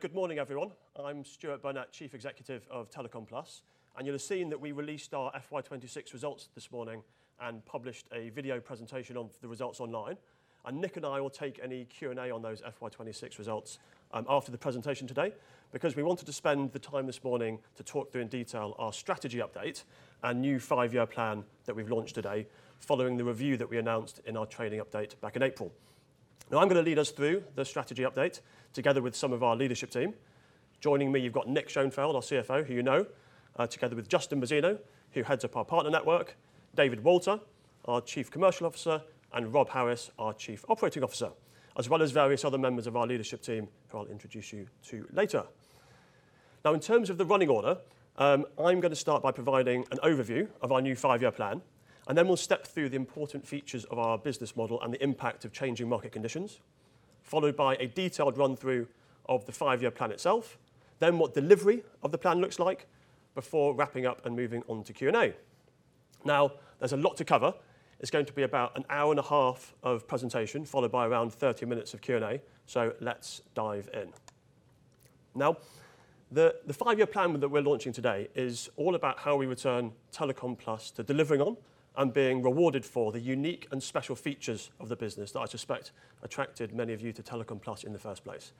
Good morning, everyone. I am Stuart Burnett, Chief Executive of Telecom Plus, and you will have seen that we released our FY 2026 results this morning and published a video presentation of the results online. Nick and I will take any Q&A on those FY 2026 results after the presentation today because we wanted to spend the time this morning to talk through in detail our strategy update and new five-year plan that we have launched today following the review that we announced in our trading update back in April. I am going to lead us through the strategy update together with some of our leadership team. Joining me, you have got Nick Schoenfeld, our CFO, who you know, together with Justin Mazzina, who heads up our partner network, David Walter, our Chief Commercial Officer, and Rob Harris, our Chief Operating Officer, as well as various other members of our leadership team who I will introduce you to later. In terms of the running order, I am going to start by providing an overview of our new five-year plan, and then we will step through the important features of our business model and the impact of changing market conditions, followed by a detailed run-through of the five-year plan itself, then what delivery of the plan looks like before wrapping up and moving on to Q&A. There is a lot to cover. It is going to be about an hour and a half of presentation, followed by around 30 minutes of Q&A. Let us dive in. The five-year plan that we are launching today is all about how we return Telecom Plus to delivering on and being rewarded for the unique and special features of the business that I suspect attracted many of you to Telecom Plus in the first place.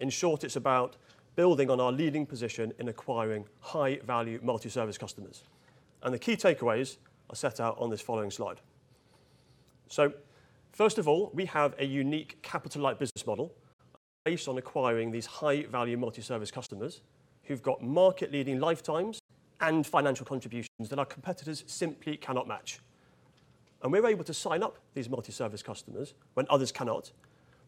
In short, it is about building on our leading position in acquiring high-value multi-service customers. The key takeaways are set out on this following slide. First of all, we have a unique capital-light business model based on acquiring these high-value multi-service customers who have got market-leading lifetimes and financial contributions that our competitors simply cannot match. We are able to sign up these multi-service customers when others cannot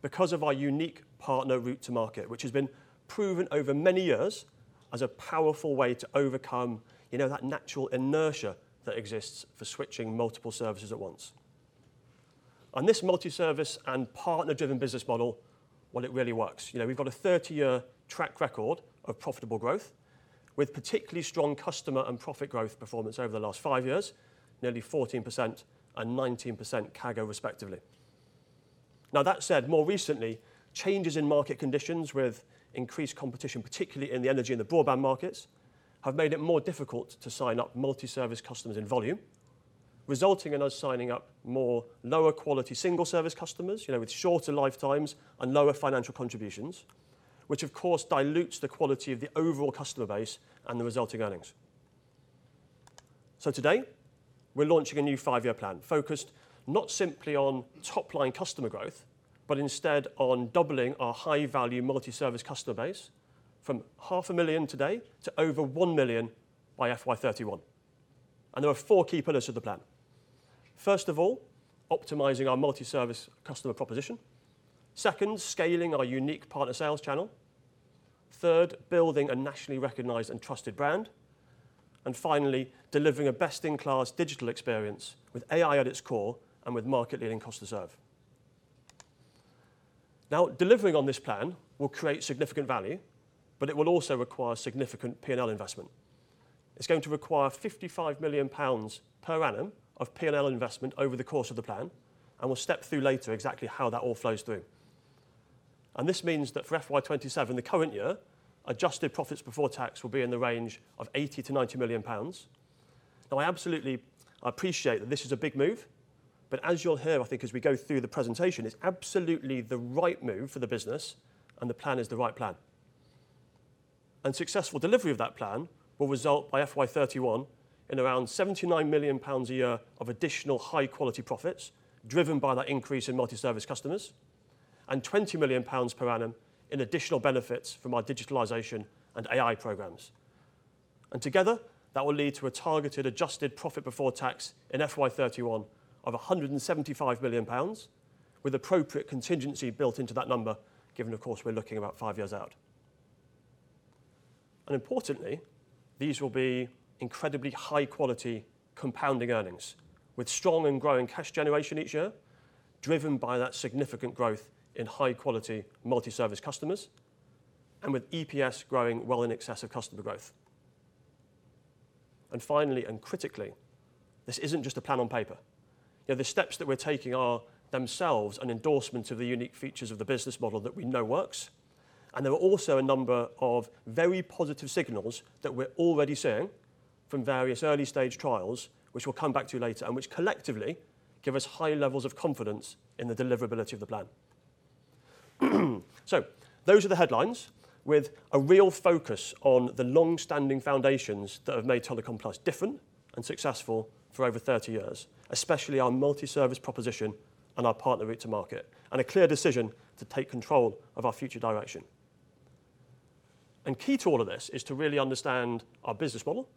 because of our unique partner route to market, which has been proven over many years as a powerful way to overcome that natural inertia that exists for switching multiple services at once. This multi-service and partner-driven business model, well, it really works. We have got a 30-year track record of profitable growth with particularly strong customer and profit growth performance over the last five years, nearly 14% and 19% CAGR respectively. That said, more recently, changes in market conditions with increased competition, particularly in the energy and the broadband markets, have made it more difficult to sign up multi-service customers in volume, resulting in us signing up more lower quality single-service customers with shorter lifetimes and lower financial contributions, which of course dilutes the quality of the overall customer base and the resulting earnings. Today, we are launching a new five-year plan focused not simply on top-line customer growth, but instead on doubling our high-value multi-service customer base from half a million today to over 1 million by FY 2031. There are four key pillars to the plan. First of all, optimizing our multi-service customer proposition. Second, scaling our unique partner sales channel. Third, building a nationally recognized and trusted brand. Finally, delivering a best-in-class digital experience with AI at its core and with market-leading cost reserve. Delivering on this plan will create significant value, but it will also require significant P&L investment. It's going to require 55 million pounds per annum of P&L investment over the course of the plan, and we'll step through later exactly how that all flows through. This means that for FY 2027, the current year, adjusted profits before tax will be in the range of 80 million-90 million pounds. I absolutely appreciate that this is a big move, but as you'll hear, I think as we go through the presentation, it's absolutely the right move for the business and the plan is the right plan. Successful delivery of that plan will result by FY 2031 in around 79 million pounds a year of additional high-quality profits driven by that increase in multi-service customers, and 20 million pounds per annum in additional benefits from our digitalization and AI programs. Together, that will lead to a targeted adjusted profit before tax in FY 2031 of 175 million pounds with appropriate contingency built into that number, given of course we're looking about five years out. Importantly, these will be incredibly high quality compounding earnings with strong and growing cash generation each year driven by that significant growth in high-quality multi-service customers and with EPS growing well in excess of customer growth. Finally, and critically, this isn't just a plan on paper. The steps that we're taking are themselves an endorsement of the unique features of the business model that we know works. There are also a number of very positive signals that we're already seeing from various early-stage trials, which we'll come back to later and which collectively give us high levels of confidence in the deliverability of the plan. Those are the headlines with a real focus on the longstanding foundations that have made Telecom Plus different and successful for over 30 years, especially our multi-service proposition and our partner route to market, and a clear decision to take control of our future direction. Key to all of this is to really understand our business model,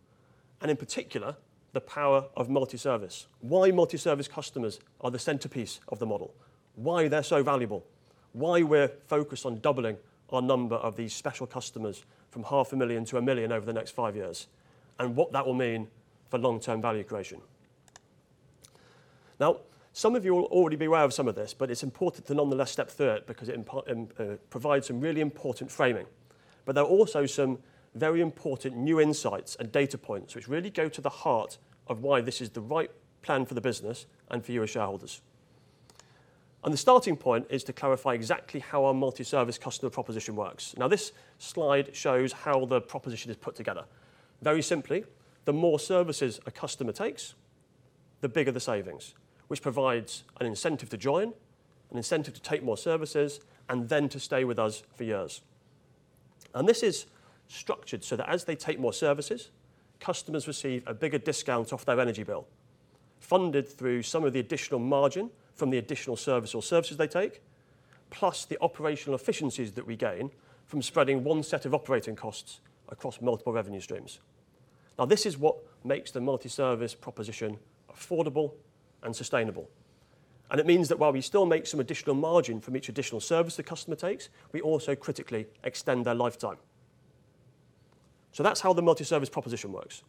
and in particular, the power of multi-service. Why multi-service customers are the centerpiece of the model, why they're so valuable, why we're focused on doubling our number of these special customers from half a million to a million over the next five years, and what that will mean for long-term value creation. Some of you will already be aware of some of this, but it's important to nonetheless step through it because it provides some really important framing. There are also some very important new insights and data points which really go to the heart of why this is the right plan for the business and for you as shareholders. The starting point is to clarify exactly how our multi-service customer proposition works. This slide shows how the proposition is put together. Very simply, the more services a customer takes, the bigger the savings, which provides an incentive to join, an incentive to take more services, and then to stay with us for years. This is structured so that as they take more services, customers receive a bigger discount off their energy bill, funded through some of the additional margin from the additional service or services they take, plus the operational efficiencies that we gain from spreading one set of operating costs across multiple revenue streams. This is what makes the multi-service proposition affordable and sustainable. It means that while we still make some additional margin from each additional service the customer takes, we also critically extend their lifetime. That's how the multi-service proposition works.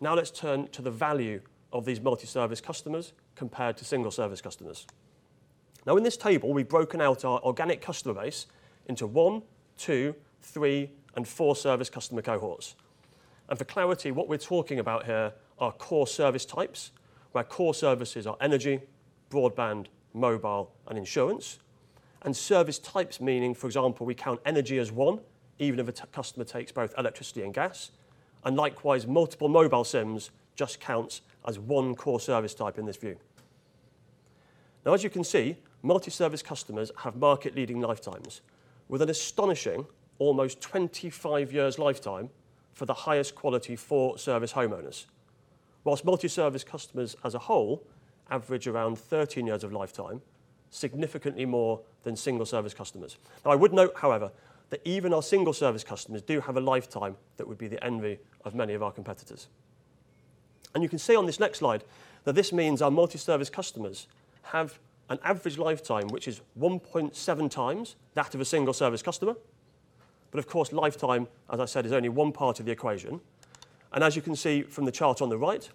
Let's turn to the value of these multi-service customers compared to single-service customers. In this table, we've broken out our organic customer base into one, two, three, and four service customer cohorts. For clarity, what we're talking about here are core service types, where core services are energy, broadband, mobile, and insurance, and service types meaning, for example, we count energy as one, even if a customer takes both electricity and gas. Likewise, multiple mobile SIMs just counts as one core service type in this view. As you can see, multi-service customers have market-leading lifetimes with an astonishing almost 25 years lifetime for the highest quality four service homeowners. While multi-service customers as a whole average around 13 years of lifetime, significantly more than single-service customers. I would note, however, that even our single-service customers do have a lifetime that would be the envy of many of our competitors. You can see on this next slide that this means our multi-service customers have an average lifetime, which is 1.7x that of a single-service customer. Of course, lifetime, as I said, is only one part of the equation. As you can see from the chart on the right,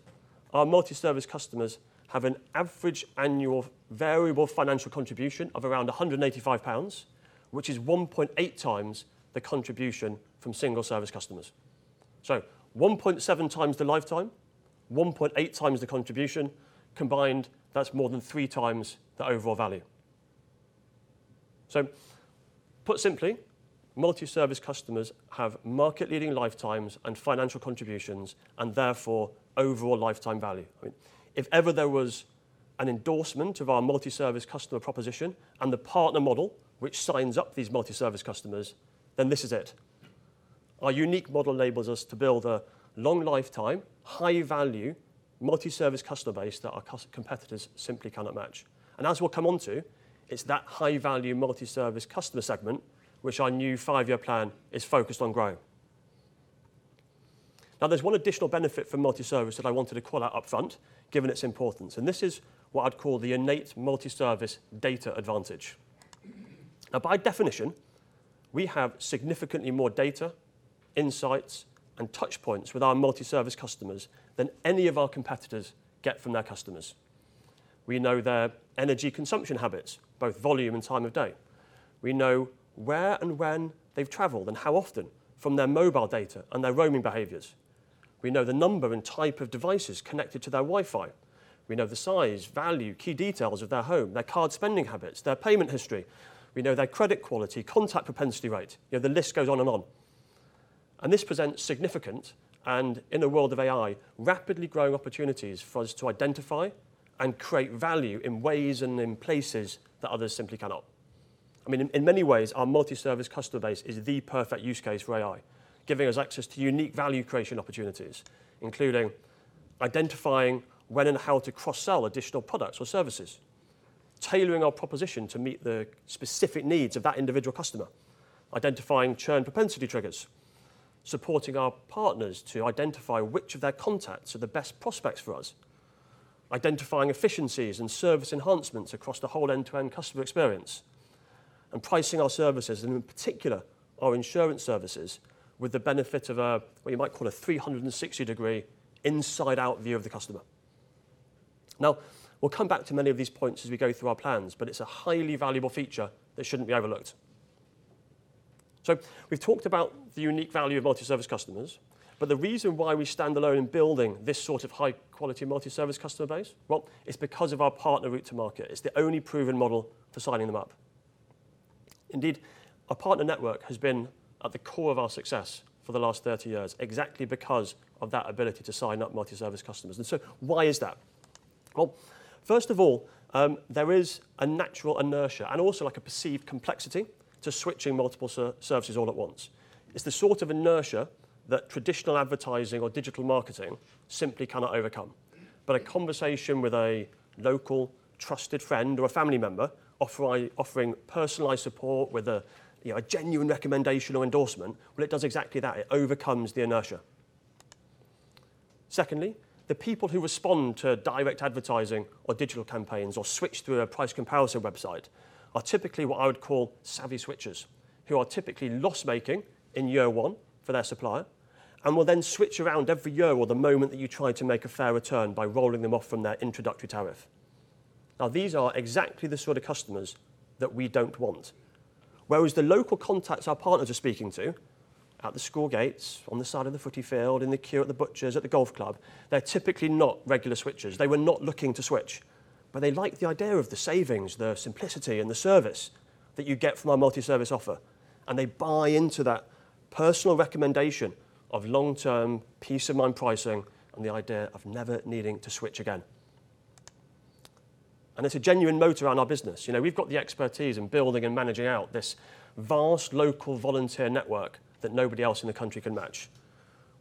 our multi-service customers have an average annual variable financial contribution of around 185 pounds, which is 1.8x the contribution from single-service customers. 1.7x the lifetime, 1.8x the contribution. Combined, that's more than 3x the overall value. Put simply, multi-service customers have market-leading lifetimes and financial contributions, and therefore overall lifetime value. If ever there was an endorsement of our multi-service customer proposition and the partner model, which signs up these multi-service customers, then this is it. Our unique model enables us to build a long lifetime, high-value, multi-service customer base that our competitors simply cannot match. As we'll come onto, it's that high-value multi-service customer segment, which our new five year plan is focused on growing. There's one additional benefit for multi-service that I wanted to call out upfront given its importance, and this is what I'd call the innate multi-service data advantage. By definition, we have significantly more data, insights, and touch points with our multi-service customers than any of our competitors get from their customers. We know their energy consumption habits, both volume and time of day. We know where and when they've traveled and how often from their mobile data and their roaming behaviors. We know the number and type of devices connected to their Wi-Fi. We know the size, value, key details of their home, their card spending habits, their payment history. We know their credit quality, contact propensity rate. The list goes on and on. This presents significant, and in the world of AI, rapidly growing opportunities for us to identify and create value in ways and in places that others simply cannot. In many ways, our multi-service customer base is the perfect use case for AI, giving us access to unique value creation opportunities, including identifying when and how to cross-sell additional products or services, tailoring our proposition to meet the specific needs of that individual customer, identifying churn propensity triggers, supporting our partners to identify which of their contacts are the best prospects for us, identifying efficiencies and service enhancements across the whole end-to-end customer experience, and pricing our services, and in particular, our insurance services, with the benefit of a, what you might call, a 360-degree inside-out view of the customer. We'll come back to many of these points as we go through our plans, but it's a highly valuable feature that shouldn't be overlooked. We've talked about the unique value of multi-service customers, but the reason why we stand alone in building this sort of high-quality multi-service customer base, well, it's because of our partner route to market. It's the only proven model for signing them up. Indeed, our partner network has been at the core of our success for the last 30 years, exactly because of that ability to sign up multi-service customers. Why is that? First of all, there is a natural inertia and also a perceived complexity to switching multiple services all at once. It's the sort of inertia that traditional advertising or digital marketing simply cannot overcome. A conversation with a local trusted friend or a family member offering personalized support with a genuine recommendation or endorsement, it does exactly that. It overcomes the inertia. Secondly, the people who respond to direct advertising or digital campaigns or switch through a price comparison website are typically what I would call savvy switchers, who are typically loss-making in year one for their supplier and will then switch around every year or the moment that you try to make a fair return by rolling them off from their introductory tariff. These are exactly the sort of customers that we don't want. The local contacts our partners are speaking to at the school gates, on the side of the footy field, in the queue at the butcher's, at the golf club, they're typically not regular switchers. They were not looking to switch. They like the idea of the savings, the simplicity, and the service that you get from our multi-service offer, and they buy into that personal recommendation of long-term peace-of-mind pricing and the idea of never needing to switch again. It's a genuine motor around our business. We've got the expertise in building and managing out this vast local volunteer network that nobody else in the country can match.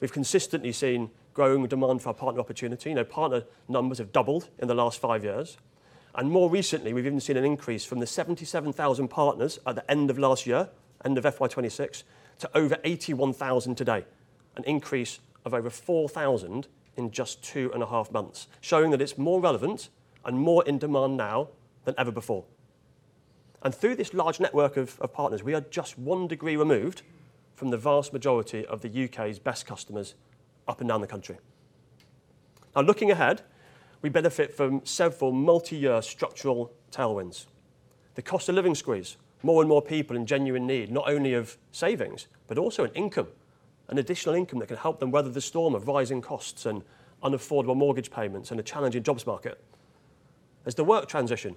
We've consistently seen growing demand for our partner opportunity. Partner numbers have doubled in the last five years. More recently, we've even seen an increase from the 77,000 partners at the end of last year, end of FY 2026, to over 81,000 today. An increase of over 4,000 in just two and a half months, showing that it's more relevant and more in demand now than ever before. Through this large network of partners, we are just one degree removed from the vast majority of the U.K.'s best customers up and down the country. Looking ahead, we benefit from several multi-year structural tailwinds. The cost of living squeeze, more and more people in genuine need, not only of savings, but also in income, an additional income that can help them weather the storm of rising costs and unaffordable mortgage payments and a challenging jobs market. There's the work transition.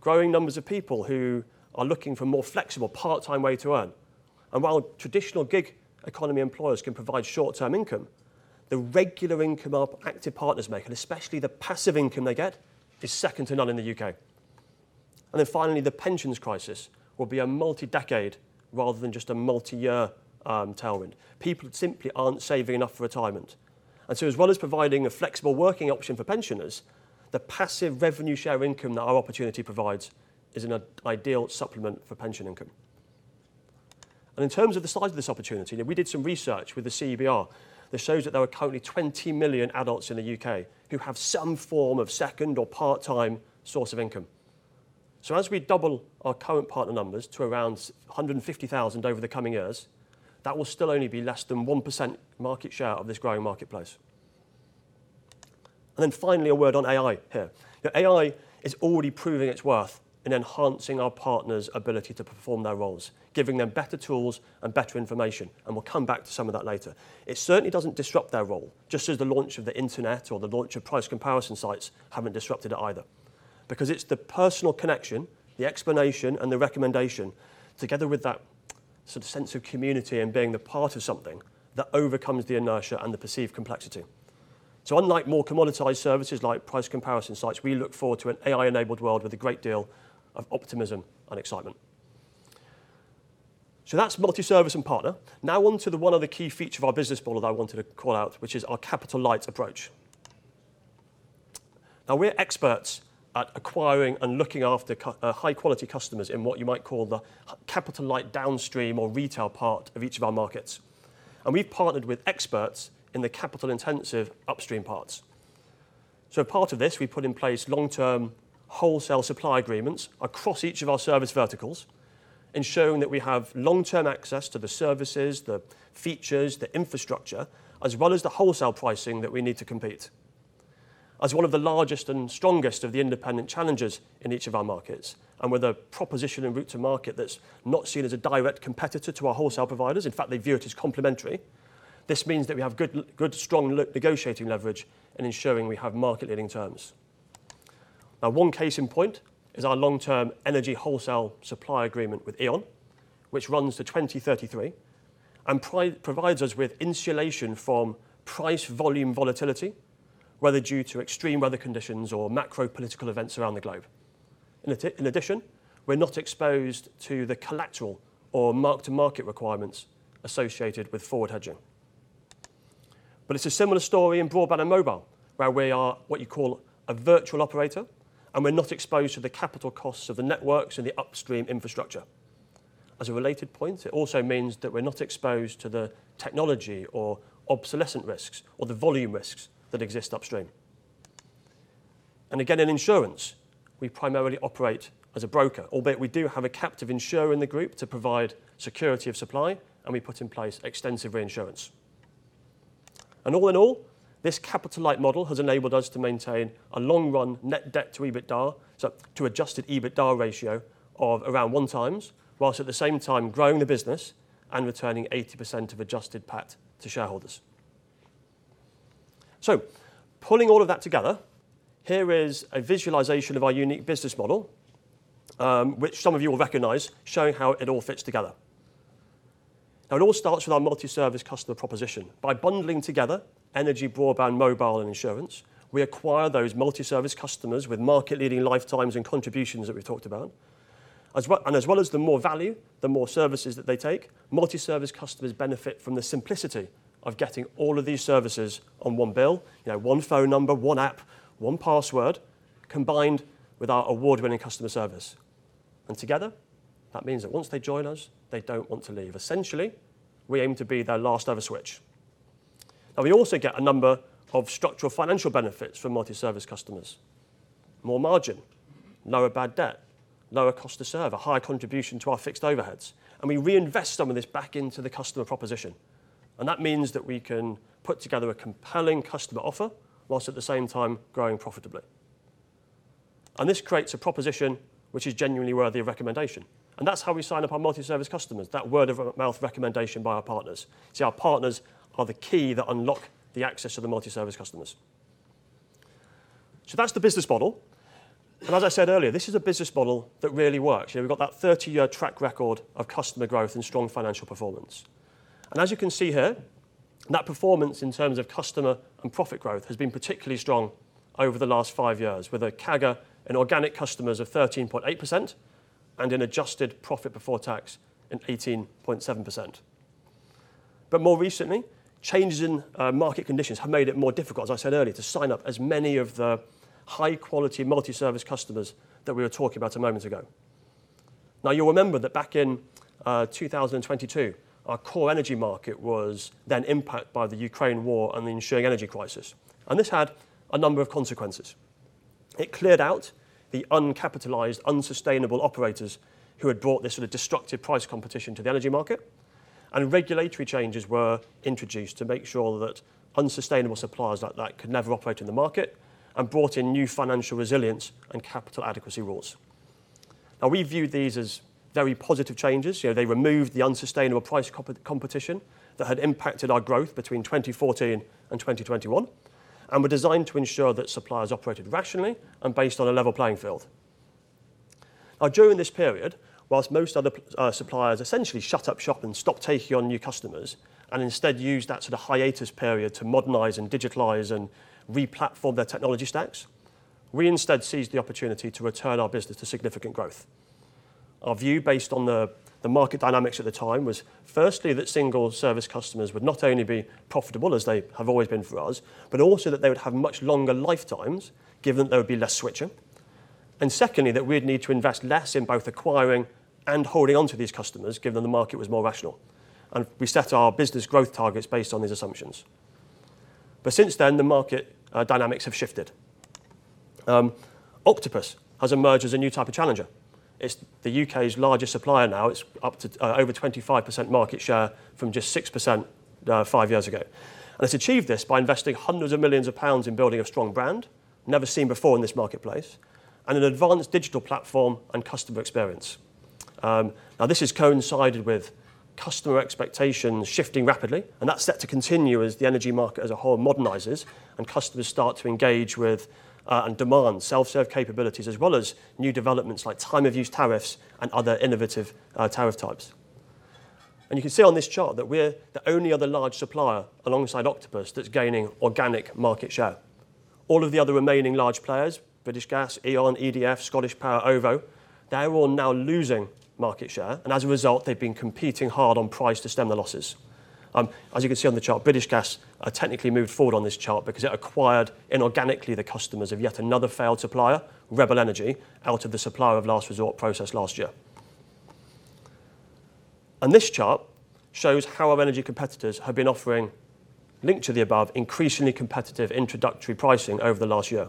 Growing numbers of people who are looking for a more flexible part-time way to earn. While traditional gig economy employers can provide short-term income, the regular income our active partners make, and especially the passive income they get, is second to none in the U.K. Finally, the pensions crisis will be a multi-decade rather than just a multi-year tailwind. People simply aren't saving enough for retirement. As well as providing a flexible working option for pensioners, the passive revenue share income that our opportunity provides is an ideal supplement for pension income. In terms of the size of this opportunity, we did some research with the Cebr that shows that there are currently 20 million adults in the U.K. who have some form of second or part-time source of income. As we double our current partner numbers to around 150,000 over the coming years, that will still only be less than 1% market share of this growing marketplace. Finally, a word on AI here. AI is already proving its worth in enhancing our partners' ability to perform their roles, giving them better tools and better information. We'll come back to some of that later. It certainly doesn't disrupt their role, just as the launch of the internet or the launch of price comparison sites haven't disrupted it either. Because it's the personal connection, the explanation, and the recommendation together with that sense of community and being a part of something that overcomes the inertia and the perceived complexity. Unlike more commoditized services like price comparison sites, we look forward to an AI-enabled world with a great deal of optimism and excitement. That's multi-service and partner. Onto one other key feature of our business model that I wanted to call out, which is our capital-light approach. We're experts at acquiring and looking after high-quality customers in what you might call the capital-light downstream or retail part of each of our markets, and we've partnered with experts in the capital-intensive upstream parts. Part of this, we put in place long-term wholesale supply agreements across each of our service verticals, ensuring that we have long-term access to the services, the features, the infrastructure, as well as the wholesale pricing that we need to compete. As one of the largest and strongest of the independent challengers in each of our markets, and with a proposition and route to market that's not seen as a direct competitor to our wholesale providers, in fact, they view it as complementary, this means that we have good, strong negotiating leverage in ensuring we have market-leading terms. One case in point is our long-term energy wholesale supply agreement with E.ON, which runs to 2033 and provides us with insulation from price volume volatility, whether due to extreme weather conditions or macro political events around the globe. In addition, we're not exposed to the collateral or mark-to-market requirements associated with forward hedging. It's a similar story in broadband and mobile, where we are what you call a virtual operator, and we're not exposed to the capital costs of the networks and the upstream infrastructure. As a related point, it also means that we're not exposed to the technology or obsolescent risks or the volume risks that exist upstream. Again, in insurance, we primarily operate as a broker, albeit we do have a captive insurer in the group to provide security of supply, and we put in place extensive reinsurance. All in all, this capital-light model has enabled us to maintain a long-run net debt to adjusted EBITDA ratio of around one times, whilst at the same time growing the business and returning 80% of adjusted PAT to shareholders. Pulling all of that together, here is a visualization of our unique business model, which some of you will recognize, showing how it all fits together. It all starts with our multi-service customer proposition. By bundling together energy, broadband, mobile, and insurance, we acquire those multi-service customers with market-leading lifetimes and contributions that we've talked about. As well as the more value, the more services that they take, multi-service customers benefit from the simplicity of getting all of these services on one bill, one phone number, one app, one password, combined with our award-winning customer service. Together, that means that once they join us, they don't want to leave. Essentially, we aim to be their last ever switch. We also get a number of structural financial benefits from multi-service customers. More margin, lower bad debt, lower cost to serve, a higher contribution to our fixed overheads. We reinvest some of this back into the customer proposition. That means that we can put together a compelling customer offer whilst at the same time growing profitably. This creates a proposition which is genuinely worthy of recommendation. That's how we sign up our multi-service customers, that word of mouth recommendation by our partners. See, our partners are the key that unlock the access to the multi-service customers. That's the business model. As I said earlier, this is a business model that really works. We've got that 30-year track record of customer growth and strong financial performance. As you can see here, that performance in terms of customer and profit growth has been particularly strong over the last five years, with a CAGR in organic customers of 13.8% and an adjusted profit before tax in 18.7%. More recently, changes in market conditions have made it more difficult, as I said earlier, to sign up as many of the high-quality multi-service customers that we were talking about a moment ago. You'll remember that back in 2022, our core energy market was then impacted by the Ukraine war and the ensuing energy crisis, and this had a number of consequences. It cleared out the uncapitalized, unsustainable operators who had brought this sort of destructive price competition to the energy market. Regulatory changes were introduced to make sure that unsustainable suppliers like that could never operate in the market and brought in new financial resilience and capital adequacy rules. We view these as very positive changes. They removed the unsustainable price competition that had impacted our growth between 2014 and 2021 and were designed to ensure that suppliers operated rationally and based on a level playing field. During this period, whilst most other suppliers essentially shut up shop and stopped taking on new customers and instead used that sort of hiatus period to modernize and digitalize and re-platform their technology stacks, we instead seized the opportunity to return our business to significant growth. Our view, based on the market dynamics at the time, was firstly that single-service customers would not only be profitable, as they have always been for us, but also that they would have much longer lifetimes, given that there would be less switching. Secondly, that we'd need to invest less in both acquiring and holding onto these customers, given the market was more rational. We set our business growth targets based on these assumptions. Since then, the market dynamics have shifted. Octopus has emerged as a new type of challenger. It's the U.K.'s largest supplier now. It's up to over 25% market share from just 6% five years ago. It's achieved this by investing hundreds of millions of GBP in building a strong brand, never seen before in this marketplace, and an advanced digital platform and customer experience. This has coincided with customer expectations shifting rapidly, and that's set to continue as the energy market as a whole modernizes and customers start to engage with and demand self-serve capabilities, as well as new developments like time-of-use tariffs and other innovative tariff types. You can see on this chart that we're the only other large supplier, alongside Octopus, that's gaining organic market share. All of the other remaining large players, British Gas, E.ON, EDF, ScottishPower, OVO, they're all now losing market share, and as a result, they've been competing hard on price to stem the losses. As you can see on the chart, British Gas technically moved forward on this chart because it acquired inorganically the customers of yet another failed supplier, Rebel Energy, out of the supplier of last resort process last year. This chart shows how our energy competitors have been offering, linked to the above, increasingly competitive introductory pricing over the last year.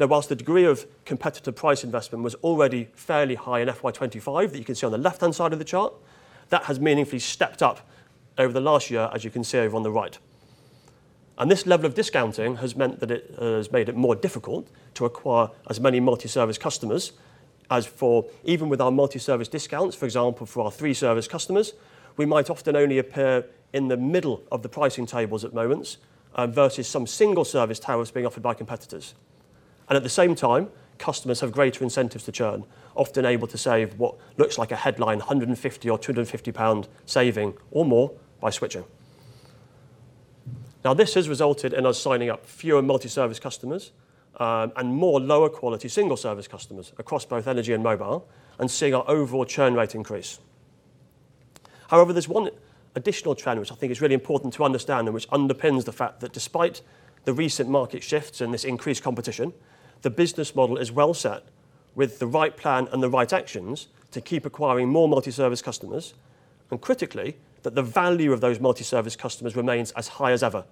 Whilst the degree of competitor price investment was already fairly high in FY 2025, that you can see on the left-hand side of the chart, that has meaningfully stepped up over the last year, as you can see over on the right. This level of discounting has meant that it has made it more difficult to acquire as many multi-service customers as for even with our multi-service discounts. For example, for our three-service customers, we might often only appear in the middle of the pricing tables at moments, versus some single service tariffs being offered by competitors. At the same time, customers have greater incentives to churn, often able to save what looks like a headline 150 or 250 pound saving or more by switching. This has resulted in us signing up fewer multi-service customers and more lower quality single-service customers across both energy and mobile and seeing our overall churn rate increase. However, there is one additional trend, which I think is really important to understand and which underpins the fact that despite the recent market shifts and this increased competition, the business model is well set with the right plan and the right actions to keep acquiring more multi-service customers, and critically, that the value of those multi-service customers remains as high as ever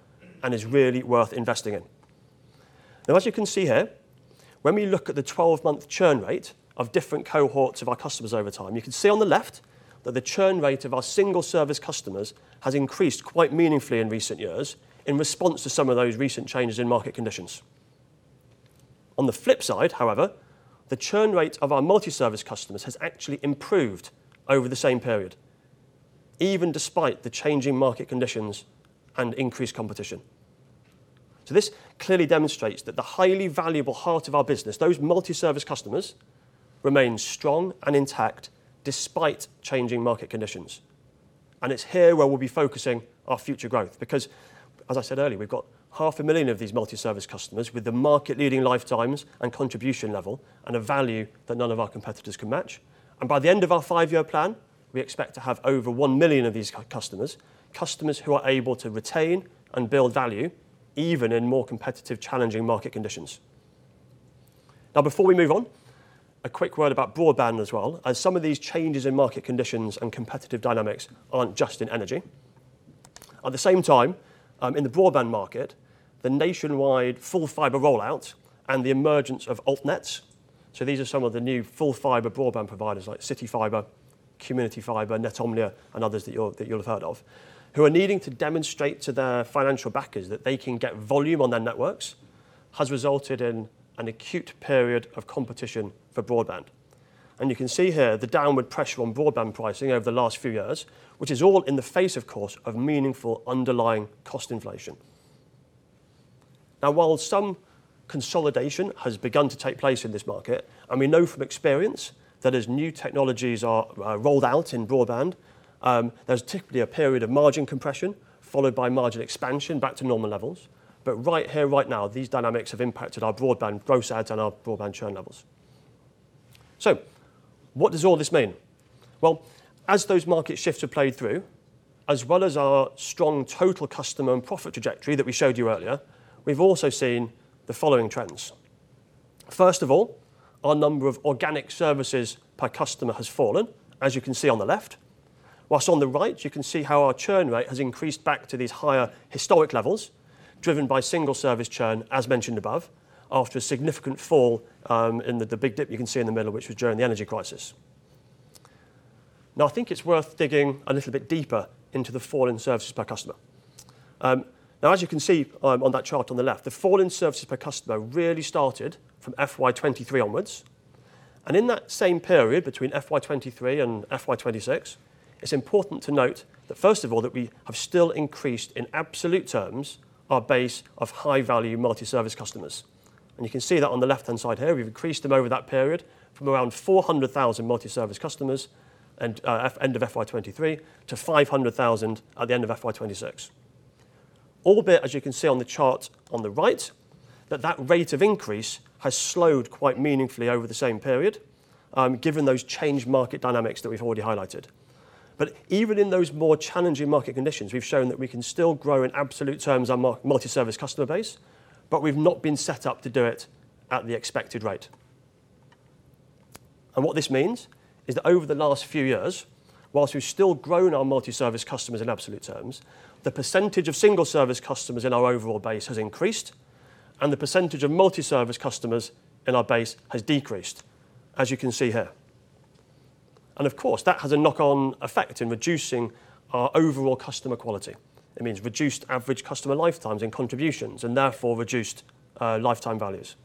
and is really worth investing in. As you can see here, when we look at the 12-month churn rate of different cohorts of our customers over time, you can see on the left that the churn rate of our single-service customers has increased quite meaningfully in recent years in response to some of those recent changes in market conditions. On the flip side, however, the churn rate of our multi-service customers has actually improved over the same period, even despite the changing market conditions and increased competition. This clearly demonstrates that the highly valuable heart of our business, those multi-service customers, remain strong and intact despite changing market conditions. It is here where we will be focusing our future growth because, as I said earlier, we have got half a million of these multi-service customers with the market leading lifetimes and contribution level and a value that none of our competitors can match. By the end of our five year plan, we expect to have over 1 million of these customers who are able to retain and build value even in more competitive, challenging market conditions. Before we move on, a quick word about broadband as well, as some of these changes in market conditions and competitive dynamics are not just in energy. At the same time, in the broadband market, the nationwide full fiber rollout and the emergence of Altnets. These are some of the new full fiber broadband providers like CityFibre, Community Fibre, Netomnia, and others that you will have heard of, who are needing to demonstrate to their financial backers that they can get volume on their networks, has resulted in an acute period of competition for broadband. You can see here the downward pressure on broadband pricing over the last few years, which is all in the face, of course, of meaningful underlying cost inflation. While some consolidation has begun to take place in this market, and we know from experience that as new technologies are rolled out in broadband, there is typically a period of margin compression followed by margin expansion back to normal levels. Right here, right now, these dynamics have impacted our broadband gross adds and our broadband churn levels. What does all this mean? Well, as those market shifts have played through, as well as our strong total customer and profit trajectory that we showed you earlier, we have also seen the following trends. First of all, our number of organic services per customer has fallen, as you can see on the left, while on the right, you can see how our churn rate has increased back to these higher historic levels, driven by single service churn, as mentioned above, after a significant fall in the big dip you can see in the middle, which was during the energy crisis. I think it's worth digging a little bit deeper into the fall in services per customer. As you can see on that chart on the left, the fall in services per customer really started from FY 2023 onwards, and in that same period between FY 2023 and FY 2026, it's important to note that first of all, that we have still increased, in absolute terms, our base of high-value multi-service customers. You can see that on the left-hand side here, we've increased them over that period from around 400,000 multi-service customers end of FY 2023 to 500,000 at the end of FY 2026. Albeit, as you can see on the chart on the right, that that rate of increase has slowed quite meaningfully over the same period, given those changed market dynamics that we've already highlighted. Even in those more challenging market conditions, we've shown that we can still grow in absolute terms our multi-service customer base, but we've not been set up to do it at the expected rate. What this means is that over the last few years, while we've still grown our multi-service customers in absolute terms, the percentage of single-service customers in our overall base has increased, and the percentage of multi-service customers in our base has decreased, as you can see here. Of course, that has a knock-on effect in reducing our overall customer quality. It means reduced average customer lifetimes and contributions and therefore reduced lifetime values.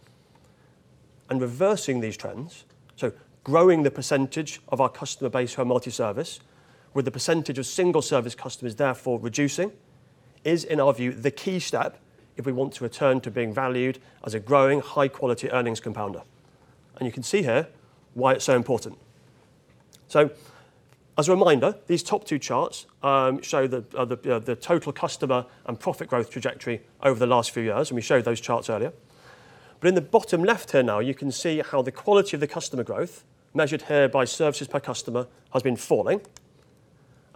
Reversing these trends, so growing the percentage of our customer base who are multi-service with the percentage of single-service customers therefore reducing, is, in our view, the key step if we want to return to being valued as a growing high-quality earnings compounder. You can see here why it's so important. As a reminder, these top two charts show the total customer and profit growth trajectory over the last few years, and we showed those charts earlier. In the bottom left here now, you can see how the quality of the customer growth, measured here by services per customer, has been falling,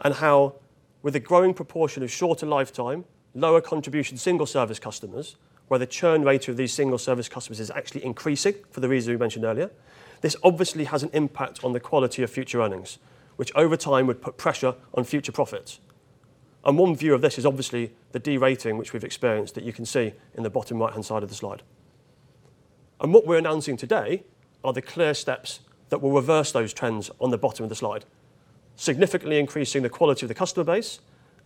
and how with a growing proportion of shorter lifetime, lower contribution single-service customers, where the churn rate of these single-service customers is actually increasing for the reasons we mentioned earlier, this obviously has an impact on the quality of future earnings, which over time would put pressure on future profits. One view of this is obviously the de-rating which we've experienced that you can see in the bottom right-hand side of the slide. What we're announcing today are the clear steps that will reverse those trends on the bottom of the slide, significantly increasing the quality of the customer base,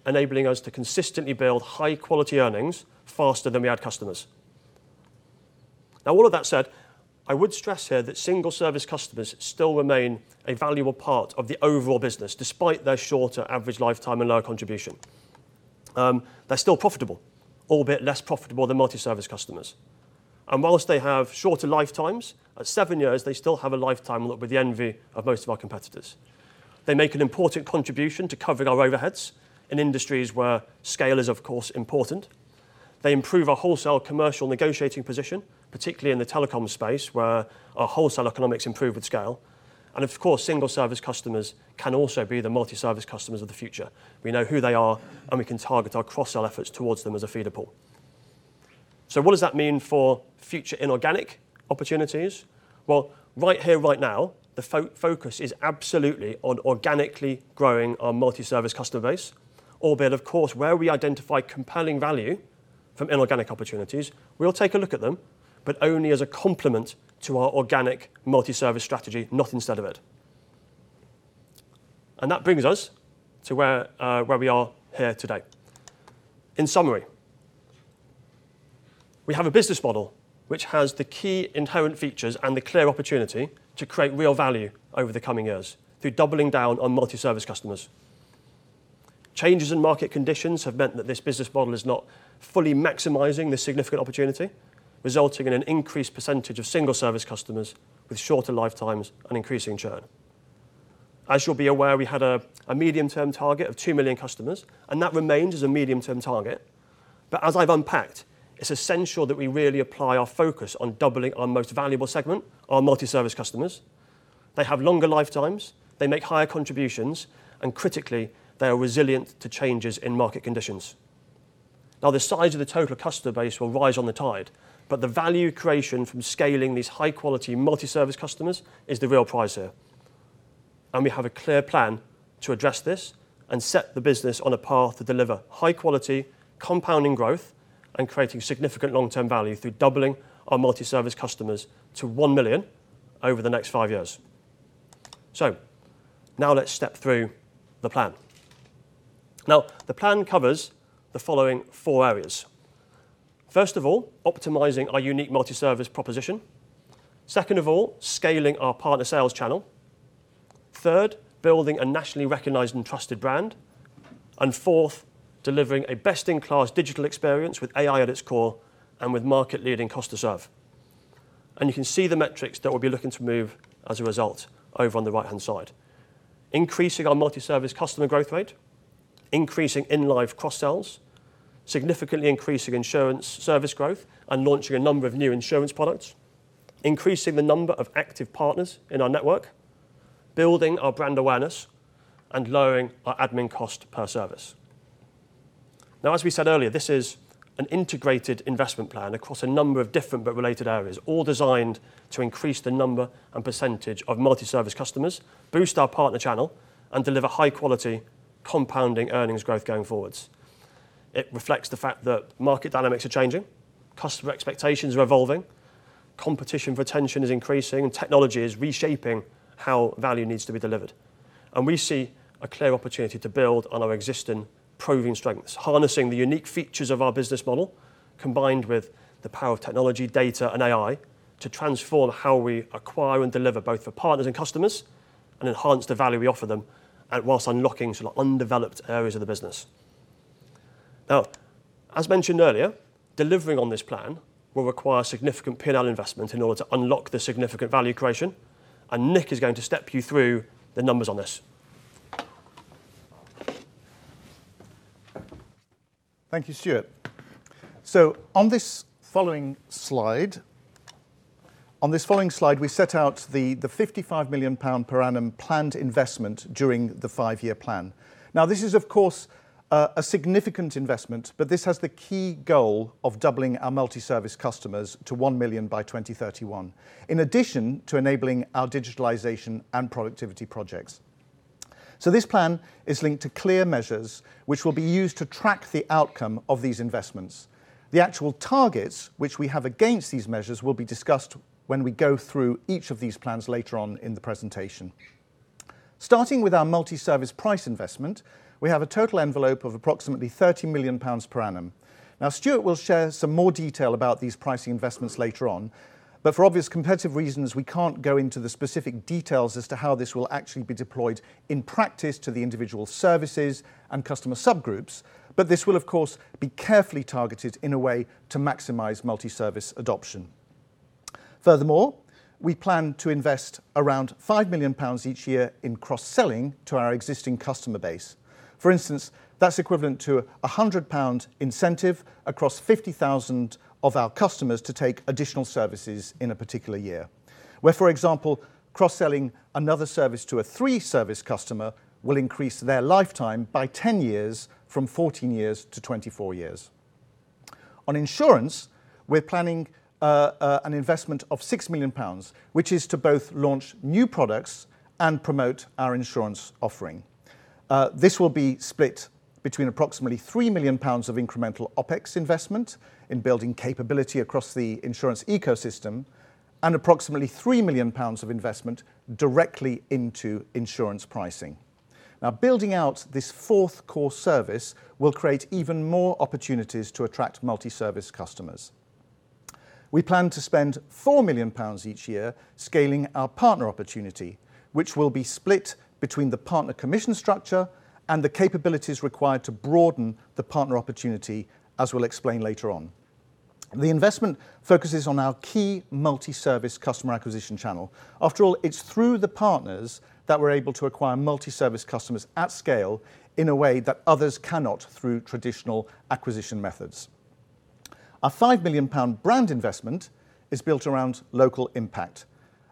enabling us to consistently build high-quality earnings faster than we add customers. All of that said, I would stress here that single-service customers still remain a valuable part of the overall business, despite their shorter average lifetime and lower contribution. They're still profitable, albeit less profitable than multi-service customers. Whilst they have shorter lifetimes, at seven years, they still have a lifetime that would be the envy of most of our competitors. They make an important contribution to covering our overheads in industries where scale is, of course, important. They improve our wholesale commercial negotiating position, particularly in the telecom space, where our wholesale economics improve with scale. Of course, single-service customers can also be the multi-service customers of the future. We know who they are, and we can target our cross-sell efforts towards them as a feeder pool. What does that mean for future inorganic opportunities? Right here, right now, the focus is absolutely on organically growing our multi-service customer base, albeit of course, where we identify compelling value from inorganic opportunities, we will take a look at them, but only as a complement to our organic multi-service strategy, not instead of it. That brings us to where we are here today. In summary, we have a business model which has the key inherent features and the clear opportunity to create real value over the coming years through doubling down on multi-service customers. Changes in market conditions have meant that this business model is not fully maximizing this significant opportunity, resulting in an increased percentage of single-service customers with shorter lifetimes and increasing churn. As you'll be aware, we had a medium-term target of two million customers, and that remains as a medium-term target. As I've unpacked, it's essential that we really apply our focus on doubling our most valuable segment, our multi-service customers. They have longer lifetimes, they make higher contributions, and critically, they are resilient to changes in market conditions. The size of the total customer base will rise on the tide, but the value creation from scaling these high-quality multi-service customers is the real prize here. We have a clear plan to address this and set the business on a path to deliver high quality, compounding growth, and creating significant long-term value through doubling our multi-service customers to one million over the next five years. Let's step through the plan. The plan covers the following four areas. First of all, optimizing our unique multi-service proposition. Second of all, scaling our partner sales channel. Third, building a nationally recognized and trusted brand. Fourth, delivering a best-in-class digital experience with AI at its core and with market-leading cost to serve. You can see the metrics that we'll be looking to move as a result over on the right-hand side. Increasing our multi-service customer growth rate, increasing in-live cross-sells, significantly increasing insurance service growth, and launching a number of new insurance products, increasing the number of active partners in our network, building our brand awareness, and lowering our admin cost per service. As we said earlier, this is an integrated investment plan across a number of different but related areas, all designed to increase the number and percentage of multi-service customers, boost our partner channel, and deliver high-quality compounding earnings growth going forward. It reflects the fact that market dynamics are changing, customer expectations are evolving, competition for attention is increasing, and technology is reshaping how value needs to be delivered. We see a clear opportunity to build on our existing proven strengths, harnessing the unique features of our business model, combined with the power of technology, data, and AI to transform how we acquire and deliver, both for partners and customers, and enhance the value we offer them while unlocking undeveloped areas of the business. As mentioned earlier, delivering on this plan will require significant P&L investment in order to unlock the significant value creation, and Nick is going to step you through the numbers on this. Thank you, Stuart. On this following slide we set out the 55 million pound per annum planned investment during the five-year plan. This is, of course, a significant investment, but this has the key goal of doubling our multi-service customers to 1 million by 2031. In addition to enabling our digitalization and productivity projects. This plan is linked to clear measures which will be used to track the outcome of these investments. The actual targets which we have against these measures will be discussed when we go through each of these plans later on in the presentation. Starting with our multi-service price investment, we have a total envelope of approximately 30 million pounds per annum. Stuart will share some more detail about these pricing investments later on, but for obvious competitive reasons, we can't go into the specific details as to how this will actually be deployed in practice to the individual services and customer subgroups. But this will, of course, be carefully targeted in a way to maximize multi-service adoption. Furthermore, we plan to invest around 5 million pounds each year in cross-selling to our existing customer base. For instance, that's equivalent to a 100 pound incentive across 50,000 of our customers to take additional services in a particular year. Where, for example, cross-selling another service to a three-service customer will increase their lifetime by 10 years from 14 years to 24 years. On insurance, we're planning an investment of 6 million pounds, which is to both launch new products and promote our insurance offering. This will be split between approximately 3 million pounds of incremental OpEx investment in building capability across the insurance ecosystem and approximately 3 million pounds of investment directly into insurance pricing. Building out this fourth core service will create even more opportunities to attract multi-service customers. We plan to spend 4 million pounds each year scaling our partner opportunity, which will be split between the partner commission structure and the capabilities required to broaden the partner opportunity, as we'll explain later on. The investment focuses on our key multi-service customer acquisition channel. After all, it's through the partners that we're able to acquire multi-service customers at scale in a way that others cannot through traditional acquisition methods. Our 5 million pound brand investment is built around local impact.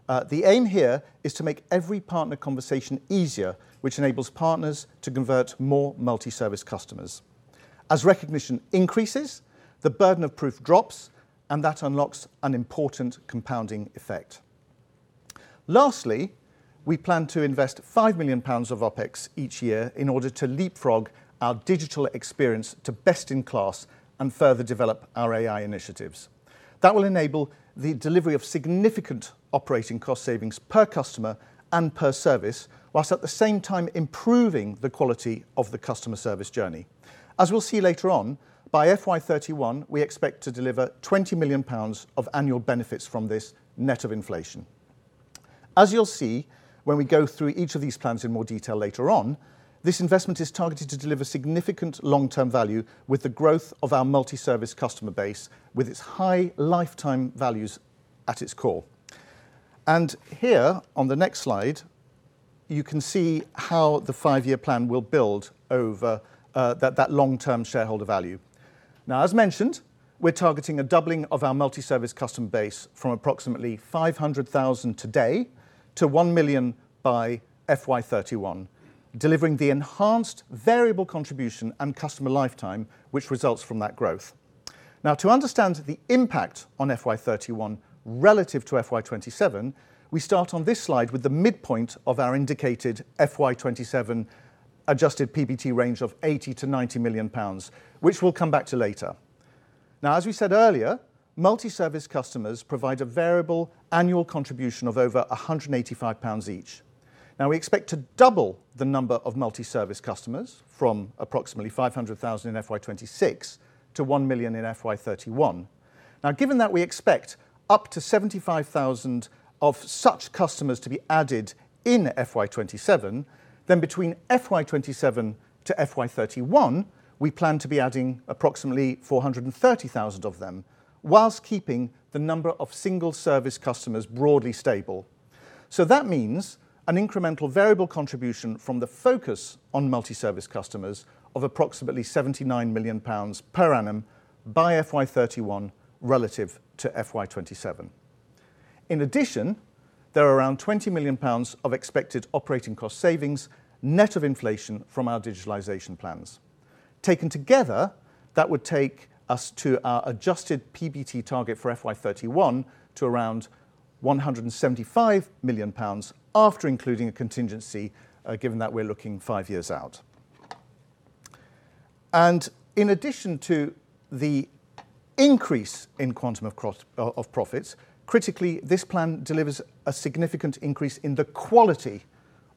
The aim here is to make every partner conversation easier, which enables partners to convert more multi-service customers. As recognition increases, the burden of proof drops, that unlocks an important compounding effect. Lastly, we plan to invest 5 million pounds of OpEx each year in order to leapfrog our digital experience to best in class and further develop our AI initiatives. That will enable the delivery of significant operating cost savings per customer and per service, whilst at the same time improving the quality of the customer service journey. As we'll see later on, by FY 2031, we expect to deliver 20 million pounds of annual benefits from this net of inflation. As you'll see when we go through each of these plans in more detail later on, this investment is targeted to deliver significant long-term value with the growth of our multi-service customer base, with its high lifetime values at its core. Here on the next slide, you can see how the five year plan will build over that long-term shareholder value. As mentioned, we're targeting a doubling of our multi-service customer base from approximately 500,000 today to 1 million by FY 2031, delivering the enhanced variable contribution and customer lifetime which results from that growth. To understand the impact on FY 2031 relative to FY 2027, we start on this slide with the midpoint of our indicated FY 2027 adjusted PBT range of 80 million-90 million pounds, which we'll come back to later. As we said earlier, multi-service customers provide a variable annual contribution of over 185 pounds each. We expect to double the number of multi-service customers from approximately 500,000 in FY 2026 to 1 million in FY 2031. Given that we expect up to 75,000 of such customers to be added in FY 2027, between FY 2027 to FY 2031, we plan to be adding approximately 430,000 of them whilst keeping the number of single service customers broadly stable. That means an incremental variable contribution from the focus on multi-service customers of approximately 79 million pounds per annum by FY 2031 relative to FY 2027. In addition, there are around 20 million pounds of expected operating cost savings, net of inflation from our digitalization plans. Taken together, that would take us to our adjusted PBT target for FY 2031 to around 175 million pounds after including a contingency, given that we're looking five years out. In addition to the increase in quantum of profits, critically, this plan delivers a significant increase in the quality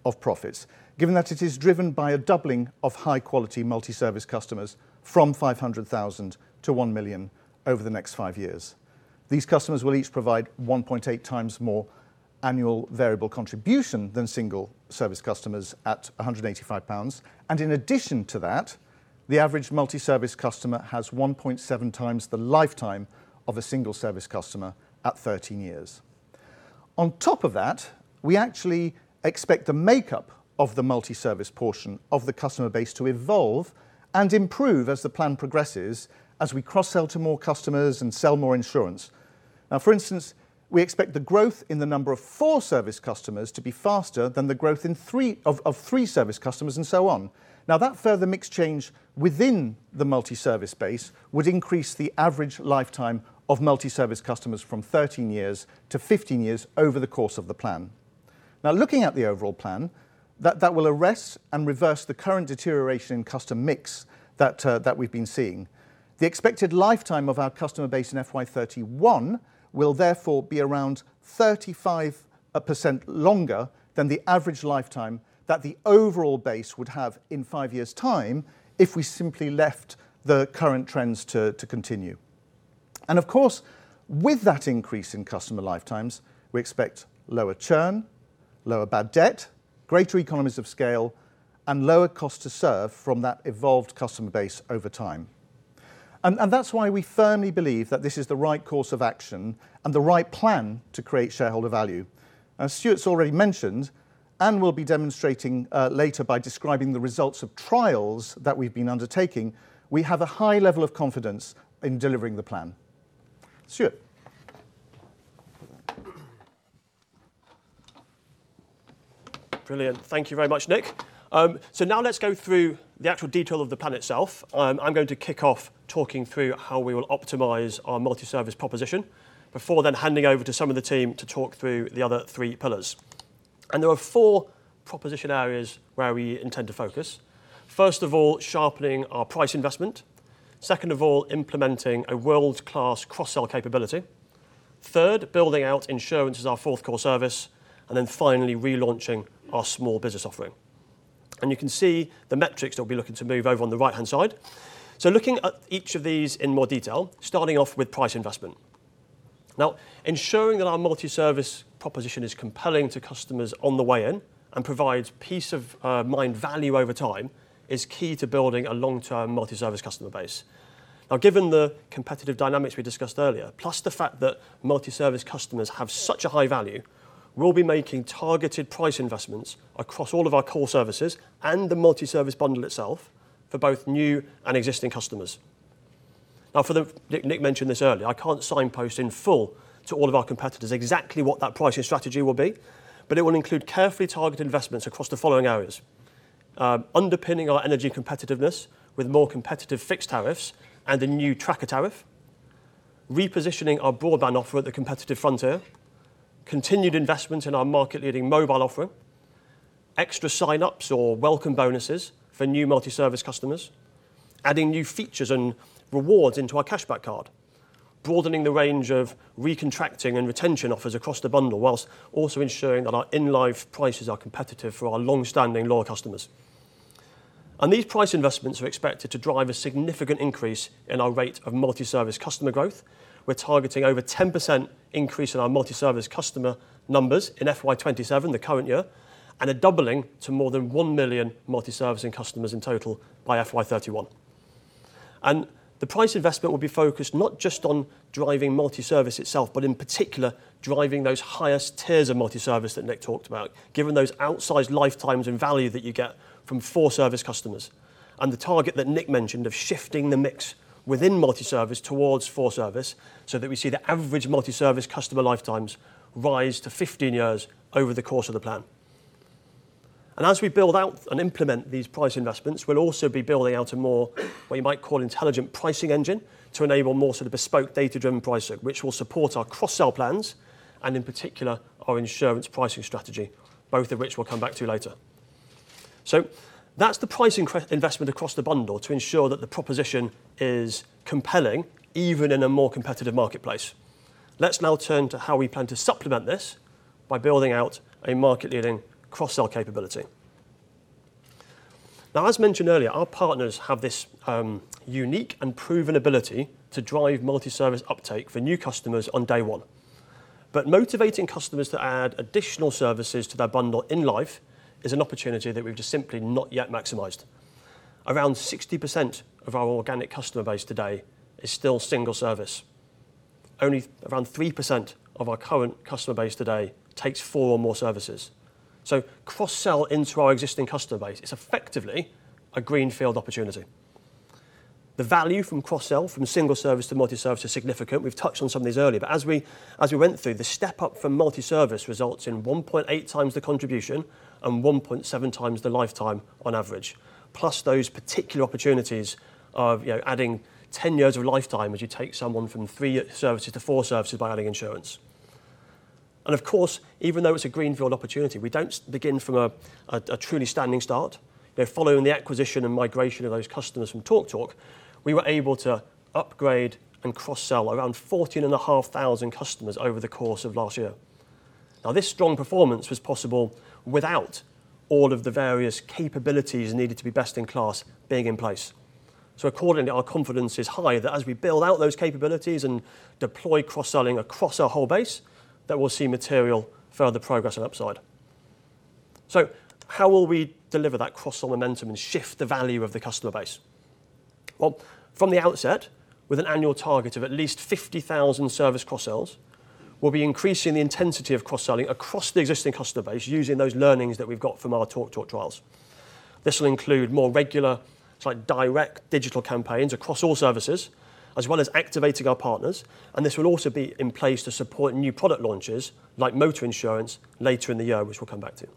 of profits, given that it is driven by a doubling of high-quality multi-service customers from 500,000 - 1 million over the next five years. These customers will each provide 1.8x more annual variable contribution than single service customers at 185 pounds. In addition to that, the average multi-service customer has 1.7x the lifetime of a single service customer at 13 years. On top of that, we actually expect the makeup of the multi-service portion of the customer base to evolve and improve as the plan progresses, as we cross-sell to more customers and sell more insurance. For instance, we expect the growth in the number of four service customers to be faster than the growth of three service customers and so on. That further mix change within the multi-service base would increase the average lifetime of multi-service customers from 13 years to 15 years over the course of the plan. Looking at the overall plan, that will arrest and reverse the current deterioration in customer mix that we've been seeing. The expected lifetime of our customer base in FY 2031 will therefore be around 35% longer than the average lifetime that the overall base would have in five years' time if we simply left the current trends to continue. Of course, with that increase in customer lifetimes, we expect lower churn, lower bad debt, greater economies of scale, and lower cost to serve from that evolved customer base over time. That's why we firmly believe that this is the right course of action and the right plan to create shareholder value. As Stuart's already mentioned, and will be demonstrating later by describing the results of trials that we've been undertaking, we have a high level of confidence in delivering the plan. Stuart. Brilliant. Thank you very much, Nick. Now let's go through the actual detail of the plan itself. I'm going to kick off talking through how we will optimize our multi-service proposition before then handing over to some of the team to talk through the other three pillars. There are four proposition areas where we intend to focus. First of all, sharpening our price investment. Second of all, implementing a world-class cross-sell capability. Third, building out insurance as our fourth core service. Then finally, relaunching our small business offering. You can see the metrics that we'll be looking to move over on the right-hand side. Looking at each of these in more detail, starting off with price investment. Ensuring that our multi-service proposition is compelling to customers on the way in and provides peace-of-mind value over time is key to building a long-term multi-service customer base. Given the competitive dynamics we discussed earlier, plus the fact that multi-service customers have such a high value, we'll be making targeted price investments across all of our core services and the multi-service bundle itself for both new and existing customers. Nick mentioned this earlier, I can't signpost in full to all of our competitors exactly what that pricing strategy will be, but it will include carefully targeted investments across the following areas. Underpinning our energy competitiveness with more competitive fixed tariffs and a new tracker tariff. Repositioning our broadband offer at the competitive frontier. Continued investment in our market-leading mobile offering. Extra sign-ups or welcome bonuses for new multi-service customers. Adding new features and rewards into our Cashback Card. Broadening the range of recontracting and retention offers across the bundle, while also ensuring that our in-life prices are competitive for our long-standing loyal customers. These price investments are expected to drive a significant increase in our rate of multi-service customer growth. We're targeting over 10% increase in our multi-service customer numbers in FY 2027, the current year, and a doubling to more than 1 million multi-servicing customers in total by FY 2031. The price investment will be focused not just on driving multi-service itself, but in particular driving those highest tiers of multi-service that Nick talked about, given those outsized lifetimes and value that you get from four-service customers. The target that Nick mentioned of shifting the mix within multi-service towards four-service so that we see the average multi-service customer lifetimes rise to 15 years over the course of the plan. As we build out and implement these price investments, we'll also be building out a more, what you might call, intelligent pricing engine to enable more bespoke data-driven pricing, which will support our cross-sell plans, and in particular, our insurance pricing strategy, both of which we'll come back to later. That's the pricing investment across the bundle to ensure that the proposition is compelling, even in a more competitive marketplace. Let's now turn to how we plan to supplement this by building out a market-leading cross-sell capability. As mentioned earlier, our partners have this unique and proven ability to drive multi-service uptake for new customers on day one. Motivating customers to add additional services to their bundle in life is an opportunity that we've just simply not yet maximized. Around 60% of our organic customer base today is still single service. Only around 3% of our current customer base today takes four or more services. Cross-sell into our existing customer base is effectively a greenfield opportunity. The value from cross-sell from single service to multi-service is significant. We've touched on some of these earlier, but as we went through, the step-up from multi-service results in 1.8x the contribution and 1.7x the lifetime on average. Plus those particular opportunities of adding 10 years of lifetime as you take someone from three services to four services by adding insurance. Of course, even though it's a greenfield opportunity, we don't begin from a truly standing start. Following the acquisition and migration of those customers from TalkTalk, we were able to upgrade and cross-sell around 14,500 customers over the course of last year. This strong performance was possible without all of the various capabilities needed to be best in class being in place. Accordingly, our confidence is high that as we build out those capabilities and deploy cross-selling across our whole base, that we'll see material further progress and upside. How will we deliver that cross-sell momentum and shift the value of the customer base? From the outset, with an annual target of at least 50,000 service cross-sells, we'll be increasing the intensity of cross-selling across the existing customer base using those learnings that we've got from our TalkTalk trials. This will include more regular, direct digital campaigns across all services, as well as activating our partners. This will also be in place to support new product launches, like motor insurance, later in the year, which we'll come back to.